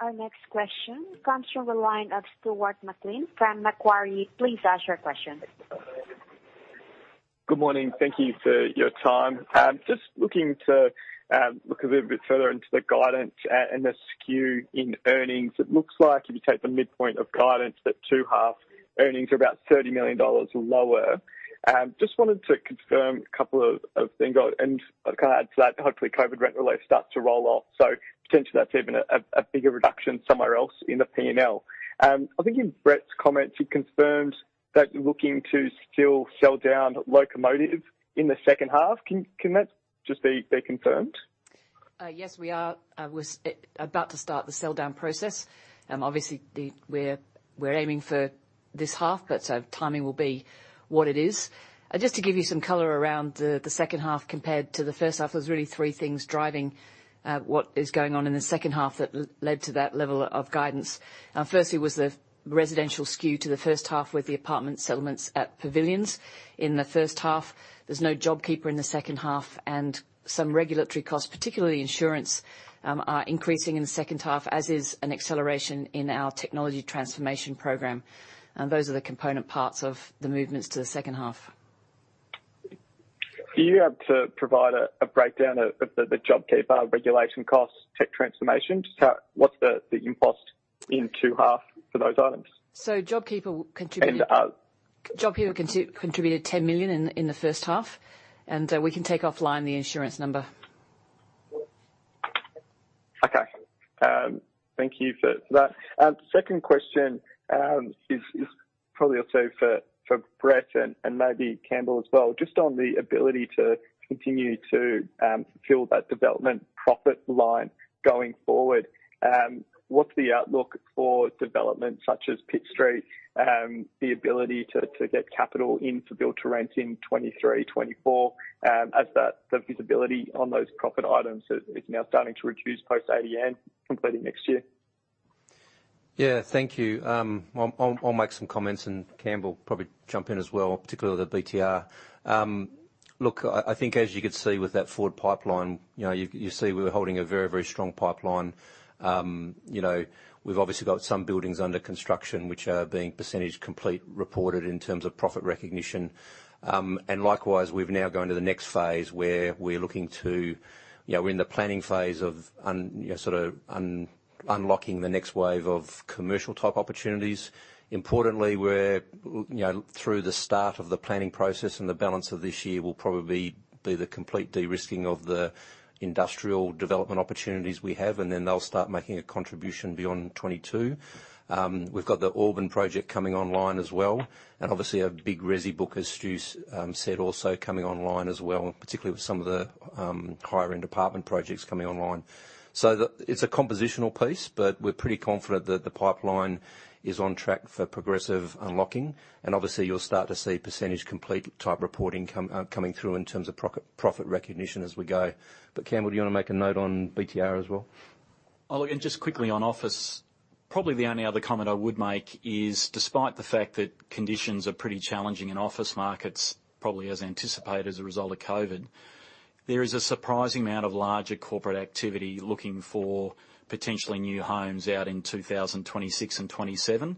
Our next question comes from the line of Stuart McLean from Macquarie. Please ask your question. Good morning. Thank you for your time. Looking to look a little bit further into the guidance and the skew in earnings. It looks like if you take the midpoint of guidance, that second half earnings are about 30 million dollars lower. I just wanted to confirm a couple of things and can I add to that? Hopefully COVID rent relief starts to roll off, so potentially that's even a bigger reduction somewhere else in the P&L. I think in Brett's comments, he confirmed that you're looking to still sell down locomotive in the second half. Can that just be confirmed? Yes, we are. We were about to start the sell down process, and obviously, we're aiming for this half, but timing will be what it is. Just to give you some color around the second half compared to the first half, there's really three things driving what is going on in the second half that led to that level of guidance. Firstly, was the residential skew to the first half with the apartment settlements at Pavilions in the first half. There's no JobKeeper in the second half, and some regulatory costs, particularly insurance, are increasing in the second half, as is an acceleration in our technology transformation program. Those are the component parts of the movements to the second half. Are you able to provide a breakdown of the JobKeeper regulation costs, tech transformation? What's the impost in two half for those items? So JobKeeper contributed 10 million in the first half, and we can take offline the insurance number. Okay. Thank you for that. Second question is probably also for Brett, and maybe Campbell as well, just on the ability to continue to fulfill that development profit line going forward. What's the outlook for development such as Pitt Street and the ability to get capital in for build-to-rent in 2023, 2024, as the feasibility on those profit items is now starting to reduce post-ADN completing next year? Yeah, thank you. I'll make some comments and Campbell probably jump in as well, particularly with the BTR. Look, I think as you could see with that forward pipeline, you see we're holding a very strong pipeline. You know, we've obviously got some buildings under construction which are being percentage complete reported in terms of profit recognition, and likewise, we've now gone to the next phase where we're looking to, you know, we're in the planning phase of sort of unlocking the next wave of commercial type opportunities. Importantly, we're through the start of the planning process and the balance of this year will probably be the complete de-risking of the industrial development opportunities we have, and then they'll start making a contribution beyond 2022. We've got the Auburn project coming online as well, obviously a big resi book, as Stu's said, also coming online as well, particularly with some of the higher end apartment projects coming online. It's a compositional piece, but we're pretty confident that the pipeline is on track for progressive unlocking. Obviously you'll start to see percentage complete type reporting coming through in terms of profit recognition as we go. Campbell, do you want to make a note on BTR as well? Look, and just quickly on office, probably the only other comment I would make is despite the fact that conditions are pretty challenging in office markets, probably as anticipated as a result of COVID, there is a surprising amount of larger corporate activity looking for potentially new homes out in 2026 and 2027.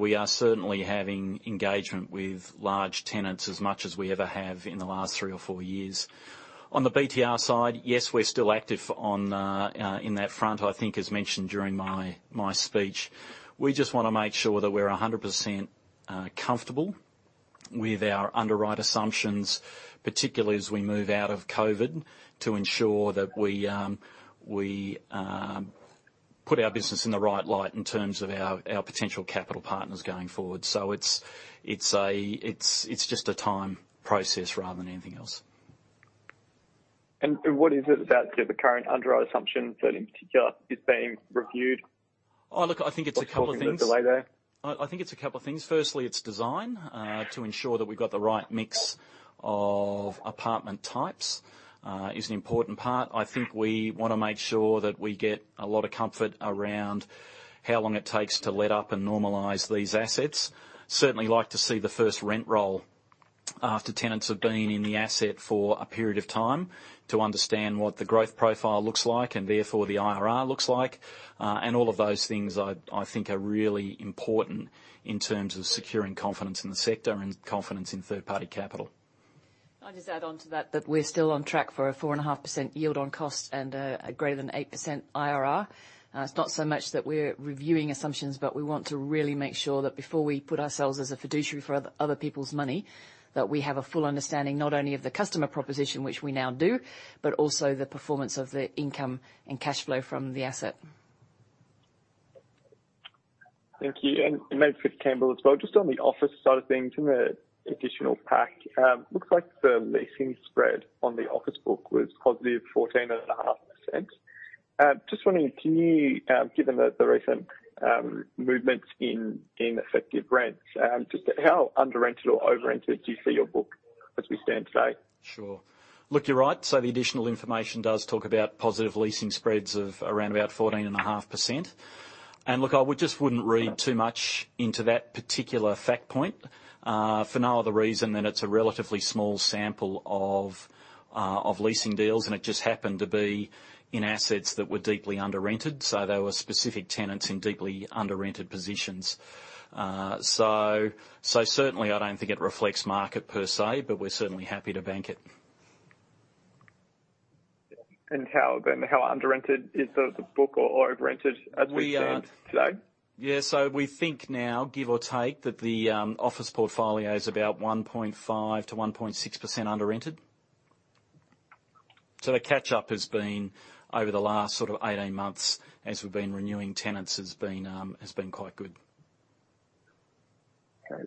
We are certainly having engagement with large tenants as much as we ever have in the last three or four years. On the BTR side, yes, we're still active in that front, I think as mentioned during my speech. We just want to make sure that we're 100% comfortable with our underwrite assumptions, particularly as we move out of COVID, to ensure that we put our business in the right light in terms of our potential capital partners going forward. It's just a time process rather than anything else. What is it about the current underwrite assumption that in particular is being reviewed? Look, I think it's a couple of things. What's causing the delay there? I think it's a couple of things. Firstly, it's design, to ensure that we've got the right mix of apartment types, is an important part. I think we want to make sure that we get a lot of comfort around how long it takes to let up and normalize these assets. Certainly we like to see the first rent roll after tenants have been in the asset for a period of time to understand what the growth profile looks like and therefore the IRR looks like and all of those things I think are really important in terms of securing confidence in the sector and confidence in third party capital. I'll just add onto that, we're still on track for a 4.5% yield on cost and a greater than 8% IRR. It's not so much that we're reviewing assumptions, but we want to really make sure that before we put ourselves as a fiduciary for other people's money, that we have a full understanding, not only of the customer proposition, which we now do, but also the performance of the income and cash flow from the asset. Thank you, and maybe for Campbell as well, just on the office side of things, in the additional pack, looks like the leasing spread on the office book was positive 14.5%. I'm just wondering, can you, given the recent movements in effective rents, just how under rented or over rented do you see your book as we stand today? Sure. Look, you're right, so the additional information does talk about positive leasing spreads of around about 14.5%, and look, I just wouldn't read too much into that particular fact point for no other reason than it's a relatively small sample of leasing deals, and it just happened to be in assets that were deeply under rented, so they were specific tenants in deeply under rented positions. Certainly, I don't think it reflects market per se, but we're certainly happy to bank it. How under rented is the book or over rented as we stand today? We think now, give or take, that the office portfolio is about 1.5%% to 1.6% under rented. The catch up has been over the last 18 months as we've been renewing tenants has been quite good. Okay.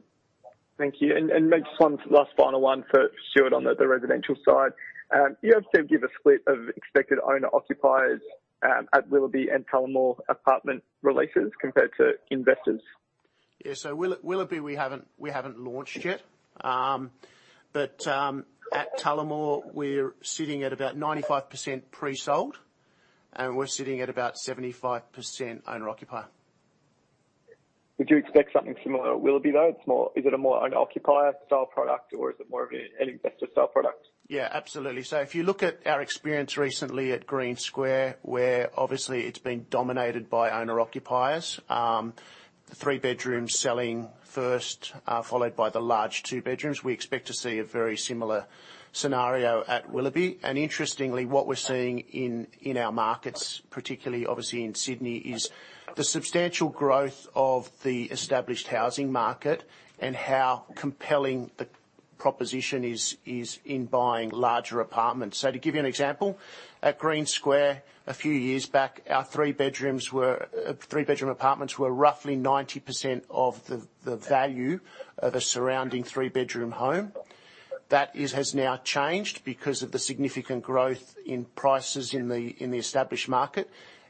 Thank you and maybe one last final one for Stuart on the residential side. You obviously give a split of expected owner occupiers at Willoughby and Tullamore apartment releases compared to investors. Willoughby, we haven't launched yet, but at Tullamore, we're sitting at about 95% pre-sold, and we're sitting at about 75% owner occupier. Would you expect something similar at Willoughby, though? Is it a more owner occupier style product, or is it more of an investor style product? Yeah, absolutely, so if you look at our experience recently at Green Square, where obviously it's been dominated by owner occupiers, the three bedrooms selling first, followed by the large two bedrooms. We expect to see a very similar scenario at Willoughby. Interestingly, what we're seeing in our markets, particularly obviously in Sydney, is the substantial growth of the established housing market and how compelling the proposition is in buying larger apartments. To give you an example, at Green Square, a few years back, our three bedroom apartments were roughly 90% of the value of a surrounding three bedroom home. That has now changed because of the significant growth in prices in the established market.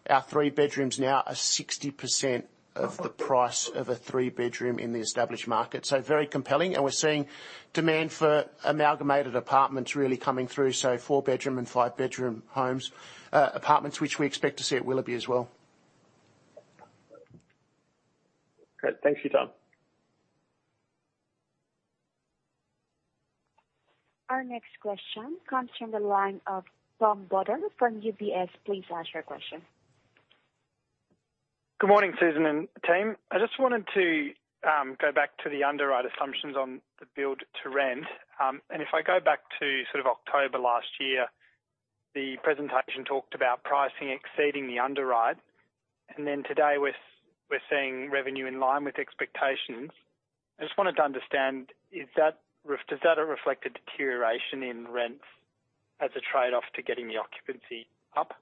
Our three bedrooms now are 60% of the price of a three bedroom in the established market, so very compelling. We're seeing demand for amalgamated apartments really coming through, so four-bedroom and five-bedroom homes, apartments, which we expect to see at Willoughby as well. Great. Thank you, Tom. Our next question comes from the line of Tom Bodor from UBS. Please ask your question. Good morning, Susan and team. I just wanted to go back to the underwrite assumptions on the build-to-rent. If I go back to October last year, the presentation talked about pricing exceeding the underwrite, and then today we're seeing revenue in line with expectations. I just wanted to understand, is that a reflected deterioration in rents as a trade-off to getting the occupancy up?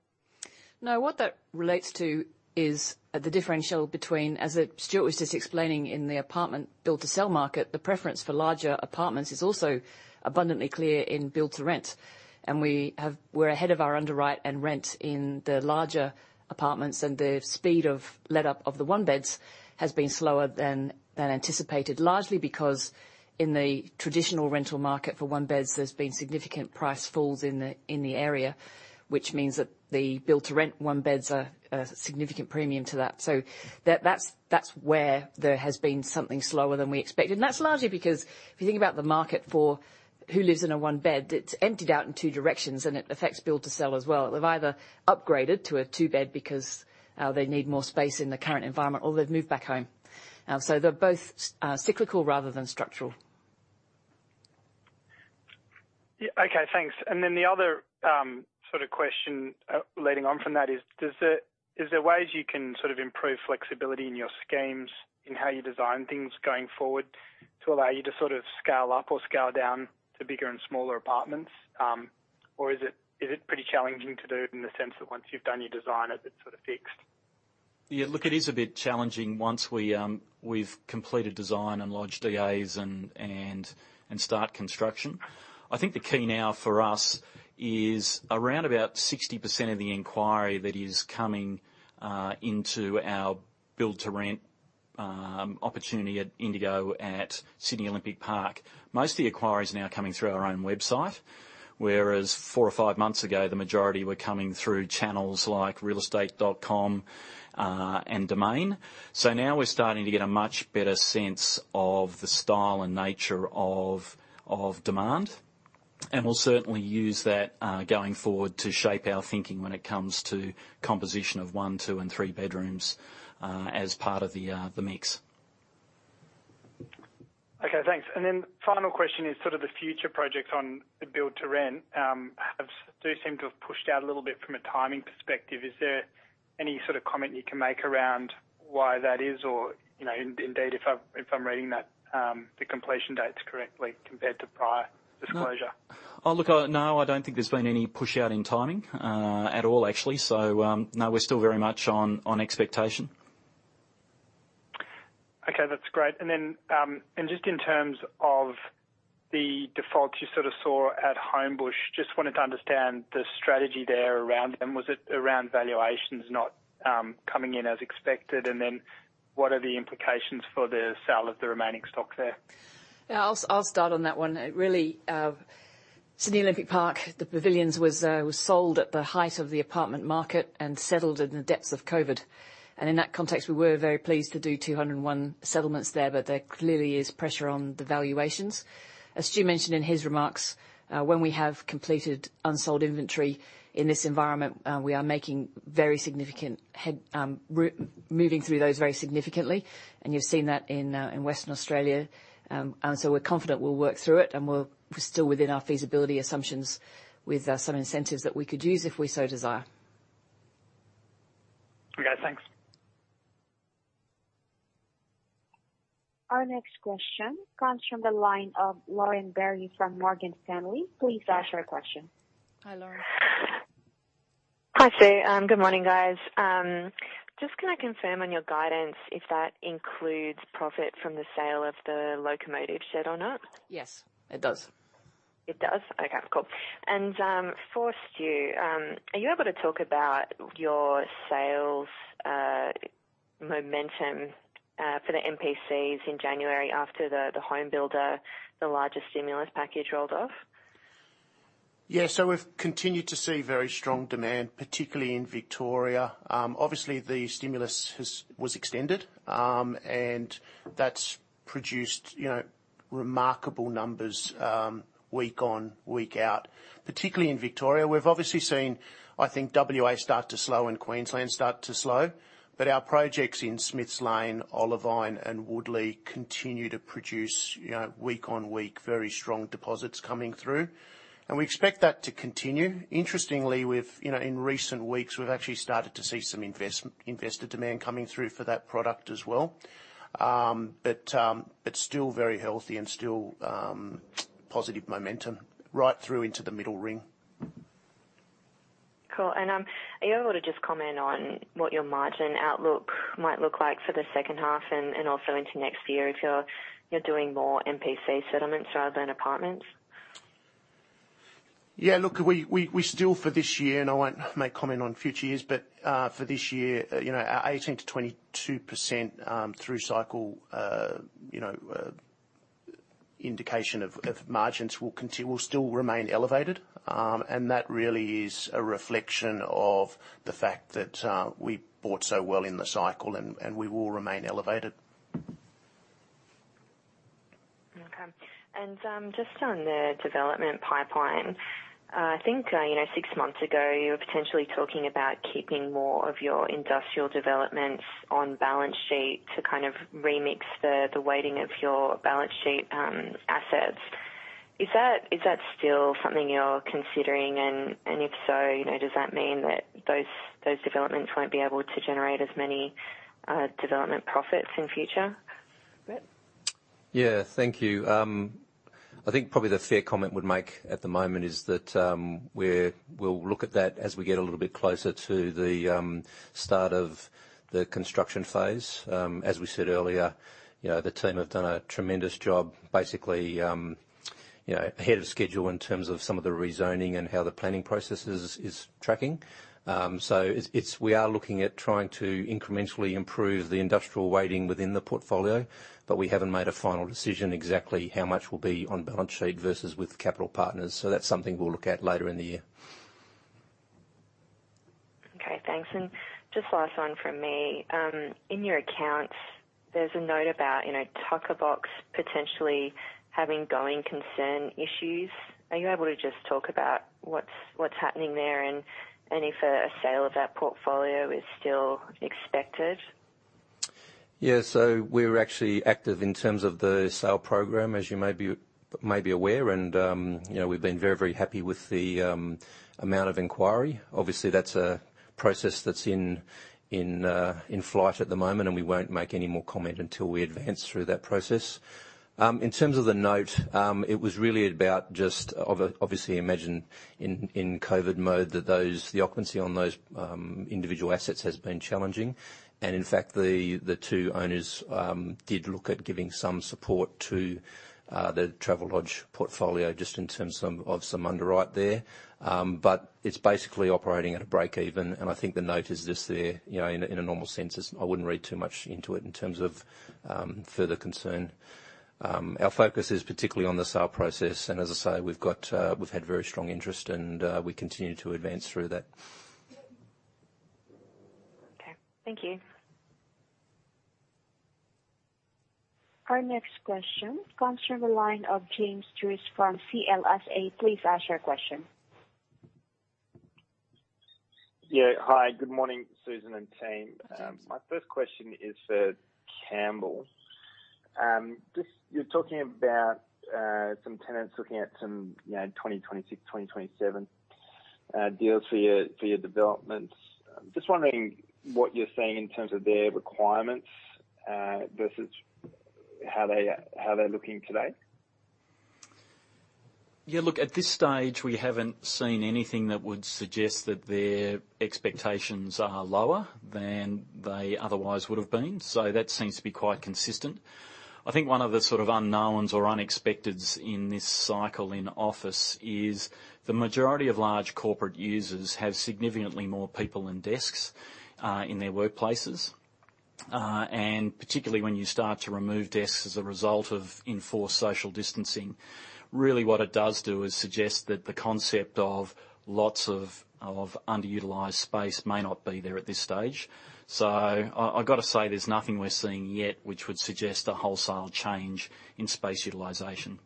No. What that relates to is the differential between, as Stuart was just explaining, in the apartment build to sell market, the preference for larger apartments is also abundantly clear in build-to-rent. We're ahead of our underwrite and rent in the larger apartments, and the speed of letup of the one beds has been slower than anticipated, largely because in the traditional rental market for one beds, there's been significant price falls in the area, which means that the build-to-rent one beds are a significant premium to that. That's where there has been something slower than we expected, and that's largely because if you think about the market for who lives in a one bed, it's emptied out in two directions and it affects build to sell as well. They've either upgraded to a two bed because they need more space in the current environment, or they've moved back home. They're both cyclical rather than structural. Yeah. Okay, thanks, and then the other question leading on from that is there ways you can improve flexibility in your schemes in how you design things going forward to allow you to scale up or scale down to bigger and smaller apartments or is it pretty challenging to do in the sense that once you've done your design, it's fixed? Yeah, look, it is a bit challenging once we've completed design and lodged DAs and start construction. I think the key now for us is around about 60% of the inquiry that is coming into our build-to-rent opportunity at Indigo at Sydney Olympic Park. Most of the inquiry is now coming through our own website, whereas four or five months ago, the majority were coming through channels like realestate.com.au and Domain. Now we're starting to get a much better sense of the style and nature of demand, and we'll certainly use that going forward to shape our thinking when it comes to composition of one, two, and three bedrooms as part of the mix. Okay, thanks, and then final question is the future projects on the build-to-rent do seem to have pushed out a little bit from a timing perspective. Is there any sort of comment you can make around why that is? Indeed if I'm reading the completion dates correctly compared to prior disclosure. Oh, look, no, I don't think there's been any push out in timing, at all, actually. No, we're still very much on expectation. Okay, that's great, and then just in terms of the defaults you saw at Homebush, just wanted to understand the strategy there around them. Was it around valuations not coming in as expected? What are the implications for the sale of the remaining stock there? Yeah, I'll start on that one, and really, Sydney Olympic Park, the Pavilions was sold at the height of the apartment market and settled in the depths of COVID. In that context, we were very pleased to do 201 settlements there, but there clearly is pressure on the valuations. As Stu mentioned in his remarks, when we have completed unsold inventory in this environment, we are moving through those very significantly, and you've seen that in Western Australia. So we're confident we'll work through it and we're still within our feasibility assumptions with some incentives that we could use if we so desire. Yeah, thanks. Our next question comes from the line of Lauren Berry from Morgan Stanley. Please ask your question. Hi, Lauren. Hi, Sue. Good morning, guys. Just can I confirm on your guidance if that includes profit from the sale of the locomotive shed or not? Yes, it does. It does? Okay, cool, and for Stu, are you able to talk about your sales momentum for the MPCs in January after the HomeBuilder, the largest stimulus package rolled off? Yeah. We've continued to see very strong demand, particularly in Victoria. Obviously, the stimulus was extended, and that's produced, you know, remarkable numbers week on week out, particularly in Victoria. We've obviously seen, I think, WA start to slow and Queensland start to slow, but our projects in Smiths Lane, Olivine, and Woodlea continue to produce week on week, very strong deposits coming through. We expect that to continue. Interestingly, in recent weeks, we've actually started to see some investor demand coming through for that product as well. It's still very healthy and still positive momentum right through into the middle ring. Cool. Are you able to just comment on what your margin outlook might look like for the second half and also into next year if you are doing more MPC settlements rather than apartments? Yeah, look, we still for this year, and I won't make comment on future years, but for this year, our 18% to 22% through cycle indication of margins will still remain elevated, and that really is a reflection of the fact that we bought so well in the cycle, and we will remain elevated. Okay, and just on the development pipeline, I think six months ago, you were potentially talking about keeping more of your industrial developments on balance sheet to kind of remix the weighting of your balance sheet assets. Is that still something you're considering? If so, does that mean that those developments won't be able to generate as many development profits in future? Brett? Yeah, thank you. I think probably the fair comment would make at the moment is that we'll look at that as we get a little bit closer to the start of the construction phase. As we said earlier, the team have done a tremendous job, basically, you know, ahead of schedule in terms of some of the rezoning and how the planning process is tracking. We are looking at trying to incrementally improve the industrial weighting within the portfolio, but we haven't made a final decision exactly how much will be on balance sheet versus with capital partners, so that's something we'll look at later in the year. Okay, thanks, and just last one from me. In your accounts, there's a note about Tuckerbox potentially having going concern issues. Are you able to just talk about what's happening there and if a sale of that portfolio is still expected? Yeah. We're actually active in terms of the sale program, as you may be aware. We've been very happy with the amount of inquiry. Obviously, that's a process that's in flight at the moment, and we won't make any more comment until we advance through that process. In terms of the note, it was really about just obviously imagine in COVID mode that the occupancy on those individual assets has been challenging. In fact, the two owners did look at giving some support to the Travelodge portfolio just in terms of some underwrite there. It's basically operating at a breakeven, and I think the note is just there in a normal sense. I wouldn't read too much into it in terms of further concern. Our focus is particularly on the sale process, and as I say, we've had very strong interest, and we continue to advance through that. Okay. Thank you. Our next question comes from the line of James Druce from CLSA. Please ask your question. Yeah. Hi, good morning, Susan and team. My first question is for Campbell. You're talking about some tenants looking at some, you know, 2026, 2027 deals for your developments. Just wondering what you're seeing in terms of their requirements versus how they're looking today? Yeah, look, at this stage, we haven't seen anything that would suggest that their expectations are lower than they otherwise would have been, so that seems to be quite consistent. I think one of the sort of unknowns or unexpecteds in this cycle in office is the majority of large corporate users have significantly more people and desks in their workplaces. Particularly when you start to remove desks as a result of enforced social distancing, really what it does do is suggest that the concept of lots of underutilized space may not be there at this stage. I've got to say, there's nothing we're seeing yet which would suggest a wholesale change in space utilization.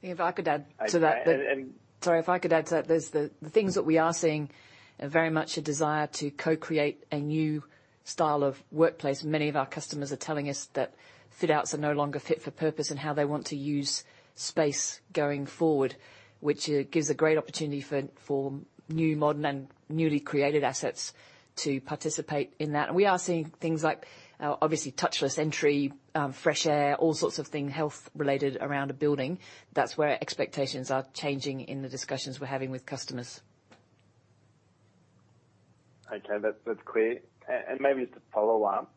If I could add to that. Sorry. If I could add to that. The things that we are seeing are very much a desire to co-create a new style of workplace. Many of our customers are telling us that fit outs are no longer fit for purpose and how they want to use space going forward, which gives a great opportunity for new, modern, and newly created assets to participate in that. We are seeing things like, obviously touchless entry, fresh air, all sorts of things health related around a building. That's where expectations are changing in the discussions we're having with customers. Okay, that's clear, and maybe just a follow up.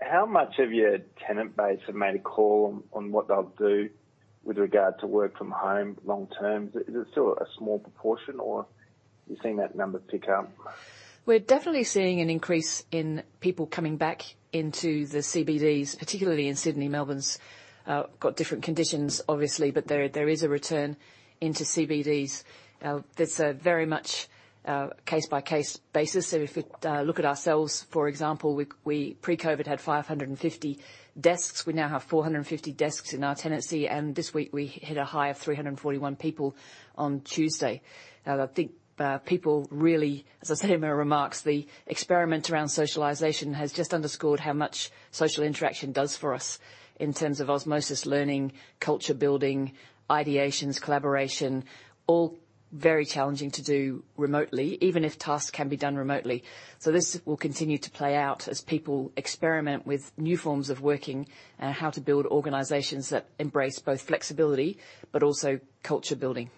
How much of your tenant base have made a call on what they'll do with regard to work from home long term? Is it still a small proportion or are you seeing that number pick up? We're definitely seeing an increase in people coming back into the CBDs, particularly in Sydney. Melbourne's got different conditions, obviously. There is a return into CBDs. That's a very much case-by-case basis. If we look at ourselves, for example, pre-COVID had 550 desks. We now have 450 desks in our tenancy, and this week we hit a high of 341 people on Tuesday. I think people really, as I said in my remarks, the experiment around socialization has just underscored how much social interaction does for us in terms of osmosis learning, culture building, ideations, collaboration, all very challenging to do remotely, even if tasks can be done remotely. This will continue to play out as people experiment with new forms of working and how to build organizations that embrace both flexibility but also culture building.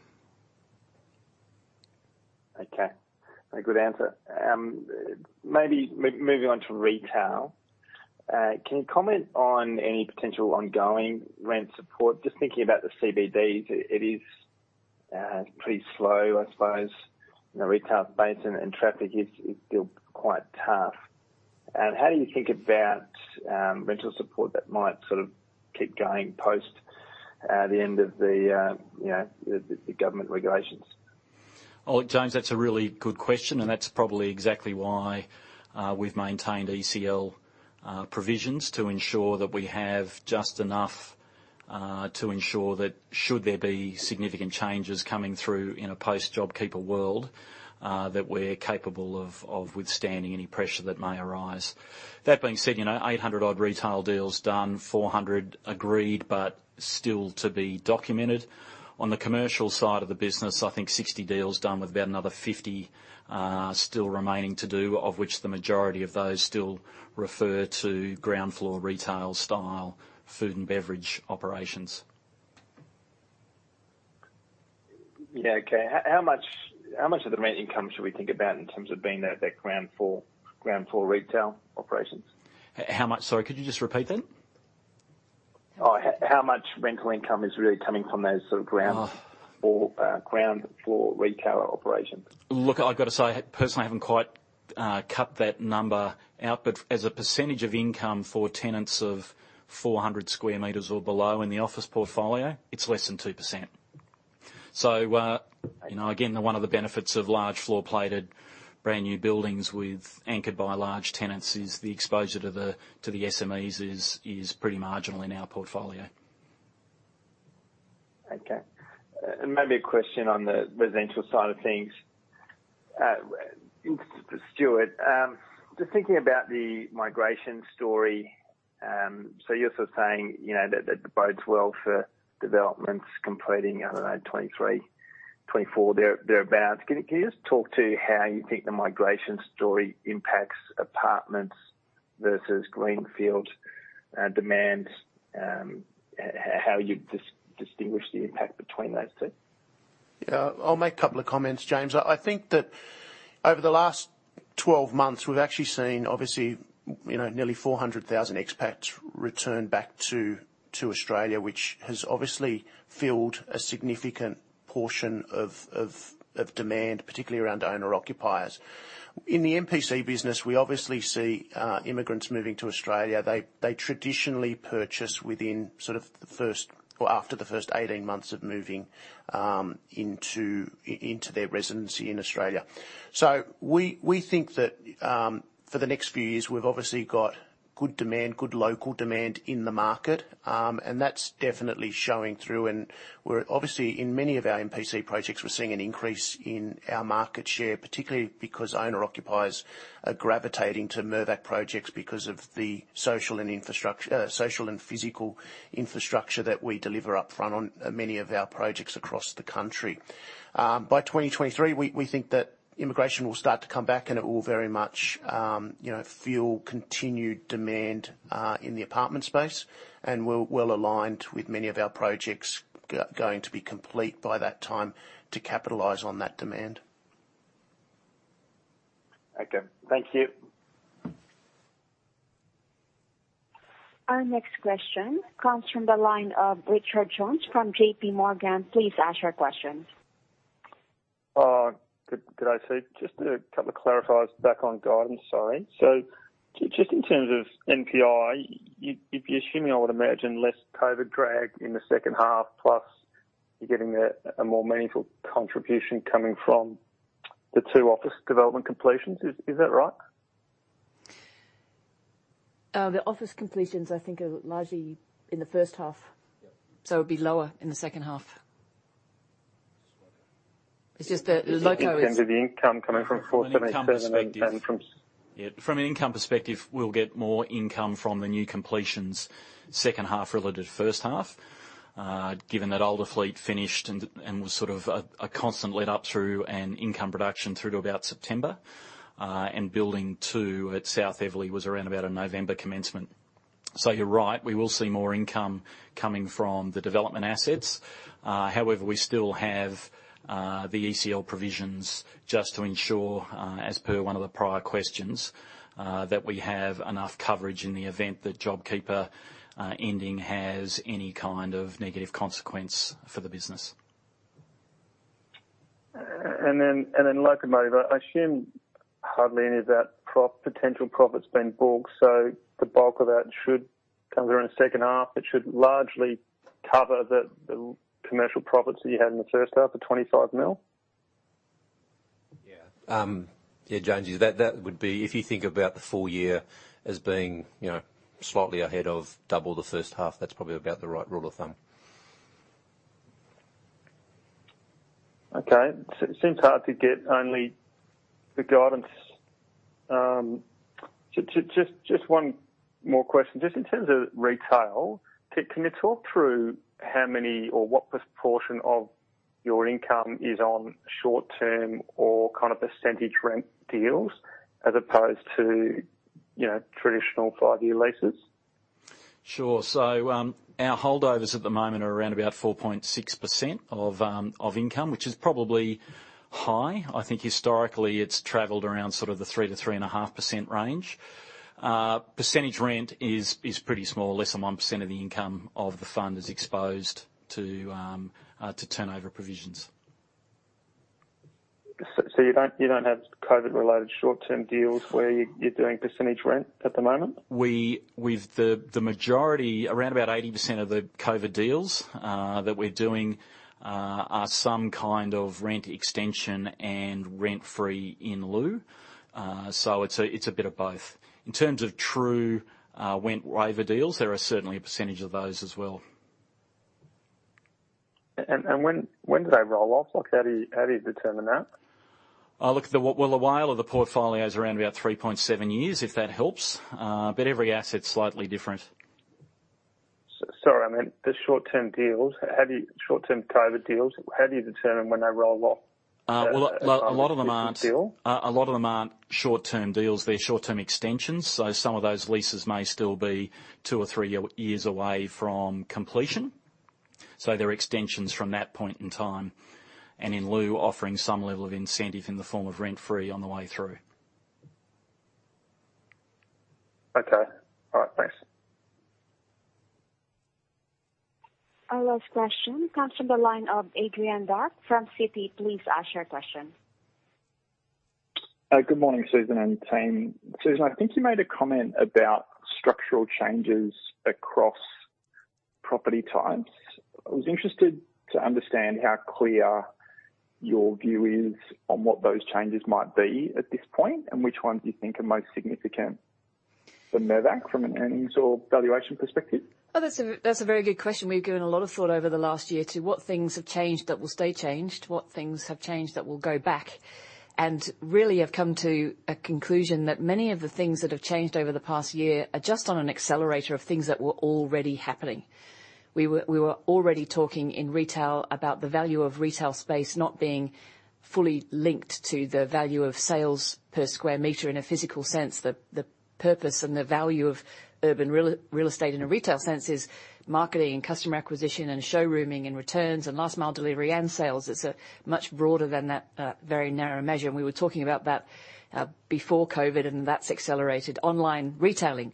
Okay, a good answer. Maybe moving on to retail, can you comment on any potential ongoing rent support? I'm just thinking about the CBDs, it is pretty slow, I suppose, in the retail space and traffic is still quite tough. How do you think about rental support that might sort of keep going post the end of the government regulations? James, that's a really good question, and that's probably exactly why we've maintained ECL provisions to ensure that we have just enough to ensure that should there be significant changes coming through in a post JobKeeper world, that we're capable of withstanding any pressure that may arise. With that being said, you know, 800 odd retail deals done, 400 agreed, but still to be documented. On the commercial side of the business, I think 60 deals done with about another 50 still remaining to do, of which the majority of those still refer to ground-floor retail style food and beverage operations. Yeah, okay. How much of the rent income should we think about in terms of being that ground floor retail operations? How much? Sorry, could you just repeat that? How much rental income is really coming from those sort of ground floor retail operations? I've got to say, personally, I haven't quite cut that number out. As a percentage of income for tenants of 400 sq m or below in the office portfolio, it's less than 2%. Again, one of the benefits of large floor plated brand new buildings anchored by large tenants is the exposure to the SMEs is pretty marginal in our portfolio. Okay and maybe a question on the residential side of things for Stuart, just thinking about the migration story. You're sort of saying that it bodes well for developments completing, I don't know, 2023, 2024, thereabout. Can you just talk to how you think the migration story impacts apartments versus greenfield demands, how you distinguish the impact between those two? I'll make a couple of comments, James. I think that over the last 12 months, we've actually seen, obviously, you know, nearly 400,000 expats return back to Australia, which has obviously filled a significant portion of demand, particularly around owner occupiers. In the MPC business, we obviously see immigrants moving to Australia. They traditionally purchase within sort of the first or after the first 18 months of moving into their residency in Australia. We think that for the next few years, we've obviously got good demand, good local demand in the market, and that's definitely showing through, and we're obviously in many of our MPC projects, we're seeing an increase in our market share, particularly because owner occupiers are gravitating to Mirvac projects because of the social and physical infrastructure that we deliver upfront on many of our projects across the country. By 2023, we think that immigration will start to come back and it will very much, you know, fuel continued demand in the apartment space, and we're well aligned with many of our projects going to be complete by that time to capitalize on that demand. Okay. Thank you. Our next question comes from the line of Richard Jones from J.P. Morgan. Please ask your question. Good day, Sue, and just a couple of clarifiers back on guidance. Sorry. Just in terms of NPI, you're assuming, I would imagine, less COVID drag in the second half, plus you're getting a more meaningful contribution coming from the two office development completions. Is that right? The office completions, I think are largely in the first half. Yeah. It'll be lower in the second half. It's just that the loco is. In terms of the income coming from 477 and from. From an income perspective, we'll get more income from the new completions second half relative to first half. Given that Olderfleet finished and was sort of a constant let-up through an income production through to about September, and Building 2 at South Eveleigh was around about a November commencement. You're right, we will see more income coming from the development assets. However, we still have the ECL provisions just to ensure, as per one of the prior questions, that we have enough coverage in the event that JobKeeper ending has any kind of negative consequence for the business. Locomotive, I assume hardly any of that potential profit has been booked. The bulk of that should come during the second half. It should largely cover the commercial profits that you had in the first half of 25 million. Yeah. Yeah, Jones, that would be, if you think about the full year as being slightly ahead of double the first half, that's probably about the right rule of thumb. Okay. It seems hard to get only the guidance, so just one more question. Just in terms of retail, can you talk through how many or what proportion of your income is on short-term or percentage rent deals as opposed to traditional five-year leases? Sure. Our holdovers at the moment are around about 4.6% of income, which is probably high. I think, historically, it's traveled around sort of the 3% to 3.5% range. Percentage rent is pretty small, less than 1% of the income of the fund is exposed to turnover provisions. You don't have COVID-related short-term deals where you're doing percentage rent at the moment? The majority, around 80% of the COVID deals that we're doing are some kind of rent extension and rent-free in lieu. It's a bit of both. In terms of true rent waiver deals, there are certainly a percentage of those as well. When do they roll off? How do you determine that? Well, the WALE of the portfolio is around about 3.7 years, if that helps, but every asset's slightly different. Sorry, I meant the short-term deals, short-term COVID deals, how do you determine when they roll off deal? A lot of them aren't short-term deals. They're short-term extensions, so some of those leases may still be two or three years away from completion. They're extensions from that point in time and in lieu offering some level of incentive in the form of rent-free on the way through. Okay. All right. Thanks. Our last question comes from the line of Adrian Dark from Citi. Please ask your question. Good morning, Susan and team. Susan, I think you made a comment about structural changes across property types. I was interested to understand how clear your view is on what those changes might be at this point, and which ones you think are most significant for Mirvac from an earnings or valuation perspective. Oh, that's a very good question. We've given a lot of thought over the last year to what things have changed that will stay changed, what things have changed that will go back, and really have come to a conclusion that many of the things that have changed over the past year are just on an accelerator of things that were already happening. We were already talking in retail about the value of retail space not being fully linked to the value of sales per square meter in a physical sense. The purpose and the value of urban real estate in a retail sense is marketing and customer acquisition and showrooming and returns and last mile delivery and sales. It's much broader than that very narrow measure, and we were talking about that before COVID, and that's accelerated. Online retailing,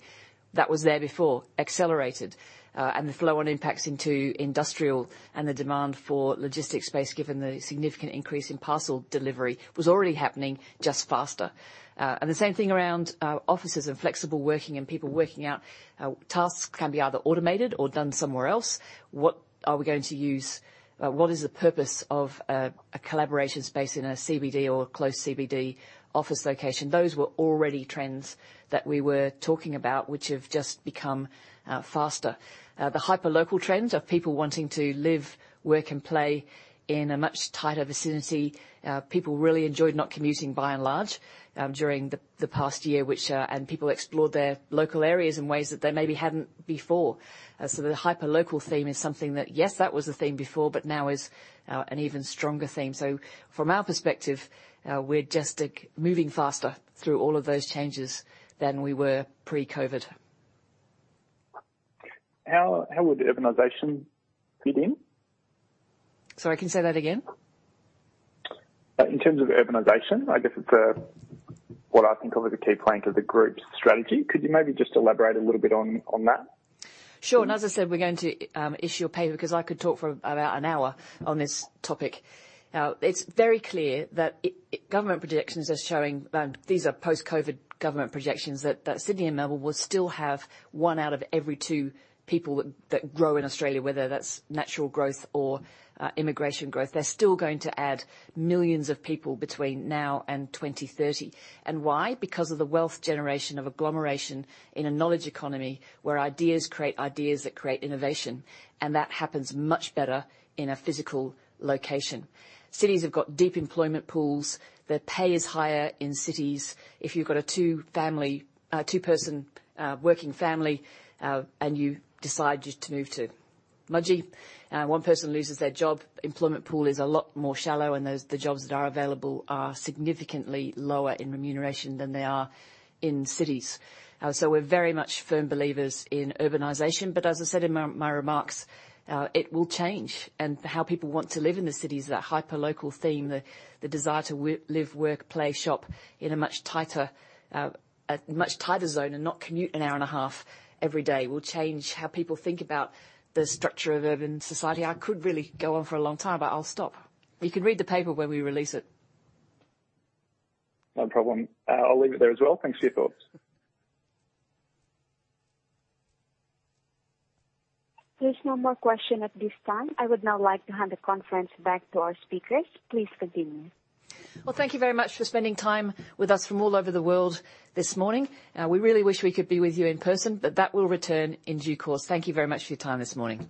that was there before, accelerated. The flow-on impacts into industrial and the demand for logistics space, given the significant increase in parcel delivery, was already happening, just faster. The same thing around offices and flexible working and people working out. Tasks can be either automated or done somewhere else. What are we going to use? What is the purpose of a collaboration space in a CBD or a close CBD office location? Those were already trends that we were talking about, which have just become faster. The hyperlocal trends of people wanting to live, work, and play in a much tighter vicinity. People really enjoyed not commuting by and large, during the past year, and people explored their local areas in ways that they maybe hadn't before. The hyperlocal theme is something that, yes, that was a theme before, but now is an even stronger theme. From our perspective, we're just moving faster through all of those changes than we were pre-COVID. How would urbanization fit in? Sorry, can you say that again? In terms of urbanization, I guess it's what I think of as a key plank of the group's strategy. Could you maybe just elaborate a little bit on that? Sure. As I said, we're going to issue a paper because I could talk for about an hour on this topic. It's very clear that government projections are showing, these are post-COVID government projections, that Sydney and Melbourne will still have one out of every two people that grow in Australia, whether that's natural growth or immigration growth. They're still going to add millions of people between now and 2030. Why? Because of the wealth generation of agglomeration in a knowledge economy where ideas create ideas that create innovation, and that happens much better in a physical location. Cities have got deep employment pools. The pay is higher in cities. If you've got a two-person working family, and you decide to move to Mudgee, one person loses their job. Employment pool is a lot more shallow. The jobs that are available are significantly lower in remuneration than they are in cities. We're very much firm believers in urbanization. As I said in my remarks, it will change and how people want to live in the cities, that hyperlocal theme, the desire to live, work, play, shop in a much tighter zone and not commute an hour and a half every day will change how people think about the structure of urban society. I could really go on for a long time, but I'll stop. You can read the paper when we release it. No problem. I'll leave it there as well. Thanks for your thoughts. There's no more question at this time. I would now like to hand the conference back to our speakers. Please continue. Well, thank you very much for spending time with us from all over the world this morning. We really wish we could be with you in person, but that will return in due course. Thank you very much for your time this morning.